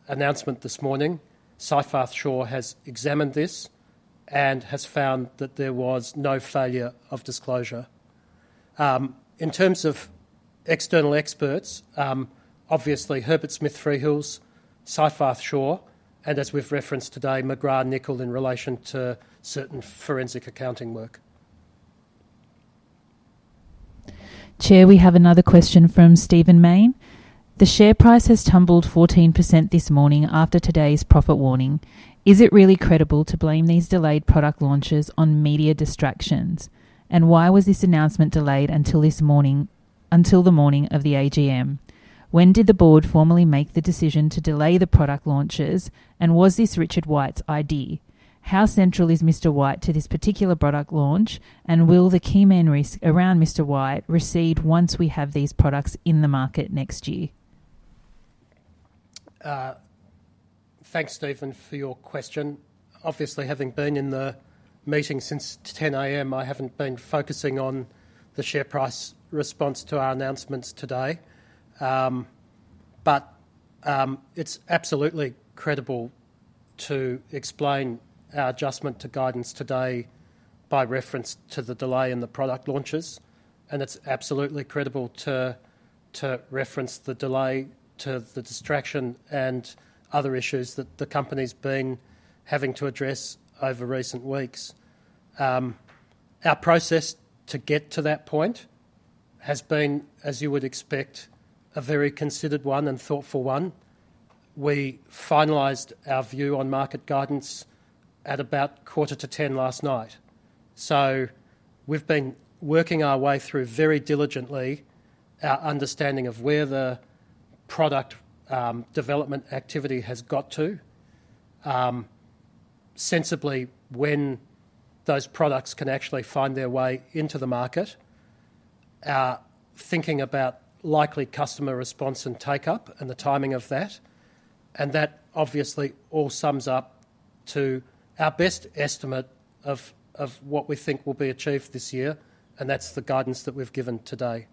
announcement this morning, Seyfarth Shaw has examined this and has found that there was no failure of disclosure. In terms of external experts, obviously, Herbert Smith Freehills, Seyfarth Shaw, and as we've referenced today, McGrathNicol in relation to certain forensic accounting work. Chair, we have another question from Stephen Mayne. The share price has tumbled 14% this morning after today's profit warning. Is it really credible to blame these delayed product launches on media distractions? And why was this announcement delayed until the morning of the AGM? When did the board formally make the decision to delay the product launches, and was this Richard White's idea? How central is Mr. White to this particular product launch, and will the key man risk around Mr. White recede once we have these products in the market next year? Thanks, Stephen, for your question. Obviously, having been in the meeting since 10:00 A.M., I haven't been focusing on the share price response to our announcements today. But it's absolutely credible to explain our adjustment to guidance today by reference to the delay in the product launches. And it's absolutely credible to reference the delay to the distraction and other issues that the company's been having to address over recent weeks. Our process to get to that point has been, as you would expect, a very considered one and thoughtful one. We finalized our view on market guidance at about quarter to 10:00 P.M. last night. So we've been working our way through very diligently our understanding of where the product development activity has got to, sensibly when those products can actually find their way into the market, thinking about likely customer response and take-up and the timing of that. That obviously all sums up to our best estimate of what we think will be achieved this year. That's the guidance that we've given today.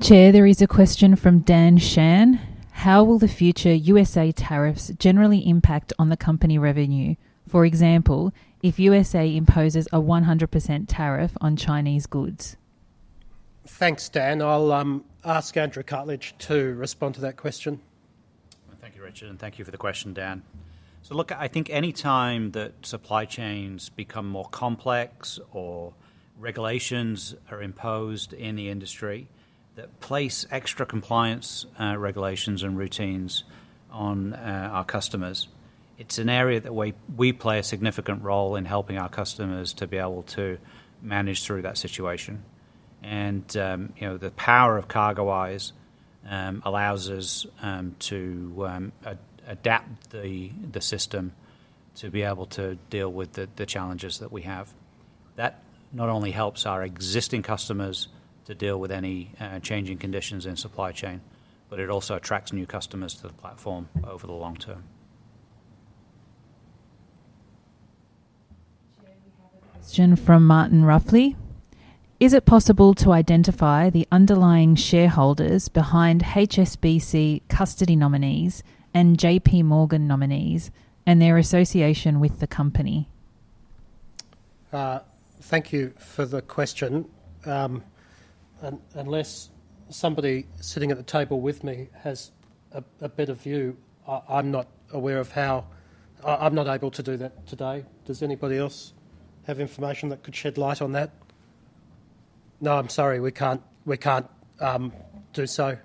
Chair, there is a question from Dan Shan. How will the future USA tariffs generally impact on the company revenue? For example, if USA imposes a 100% tariff on Chinese goods? Thanks, Dan. I'll ask Andrew Cartledge to respond to that question. Thank you, Richard. Thank you for the question, Dan. Look, I think any time that supply chains become more complex or regulations are imposed in the industry that place extra compliance regulations and routines on our customers, it's an area that we play a significant role in helping our customers to be able to manage through that situation. The power of CargoWise allows us to adapt the system to be able to deal with the challenges that we have. That not only helps our existing customers to deal with any changing conditions in supply chain, but it also attracts new customers to the platform over the long-term. Chair, we have a question from Martin Ruffley. Is it possible to identify the underlying shareholders behind HSBC Custody Nominees and J.P. Morgan Nominees and their association with the company? Thank you for the question. Unless somebody sitting at the table with me has a better view, I'm not aware of how I'm not able to do that today. Does anybody else have information that could shed light on that? No, I'm sorry. We can't do so.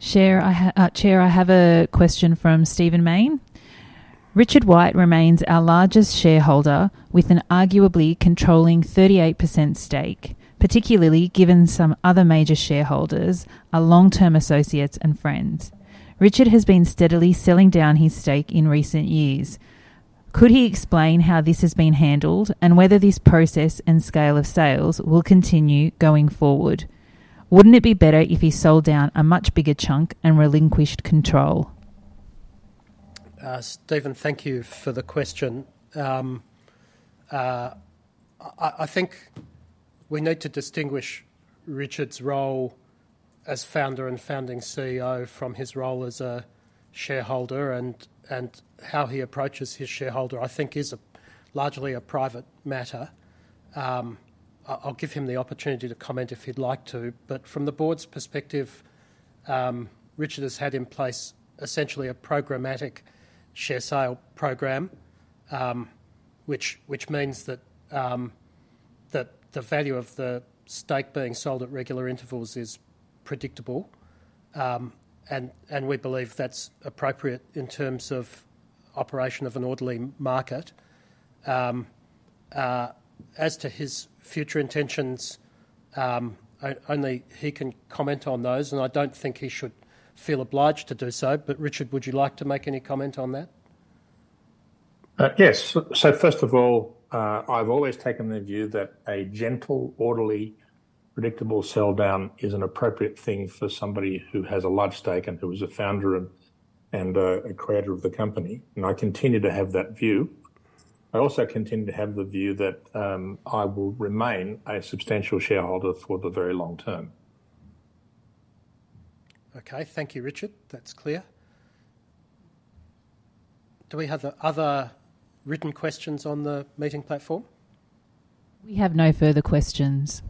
Chair, I have a question from Stephen Mayne. Richard White remains our largest shareholder with an arguably controlling 38% stake, particularly given some other major shareholders, our long-term associates and friends. Richard has been steadily selling down his stake in recent years. Could he explain how this has been handled and whether this process and scale of sales will continue going forward? Wouldn't it be better if he sold down a much bigger chunk and relinquished control? Stephen, thank you for the question. I think we need to distinguish Richard's role as founder and founding CEO from his role as a shareholder and how he approaches his shareholding, I think, is largely a private matter. I'll give him the opportunity to comment if he'd like to. But from the board's perspective, Richard has had in place essentially a programmatic share sale program, which means that the value of the stake being sold at regular intervals is predictable. We believe that's appropriate in terms of operation of an orderly market. As to his future intentions, only he can comment on those. I don't think he should feel obliged to do so. Richard, would you like to make any comment on that? Yes. First of all, I've always taken the view that a gentle, orderly, predictable selldown is an appropriate thing for somebody who has a large stake and who is a founder and a creator of the company. I continue to have that view. I also continue to have the view that I will remain a substantial shareholder for the very long-term. Okay. Thank you, Richard. That's clear. Do we have other written questions on the meeting platform? We have no further questions.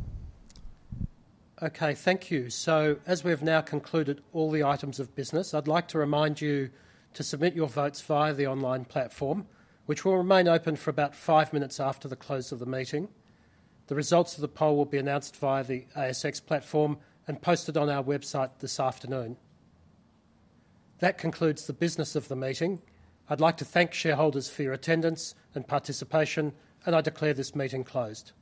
Okay. Thank you. So as we've now concluded all the items of business, I'd like to remind you to submit your votes via the online platform, which will remain open for about five minutes after the close of the meeting. The results of the poll will be announced via the ASX platform and posted on our website this afternoon. That concludes the business of the meeting. I'd like to thank shareholders for your attendance and participation, and I declare this meeting closed.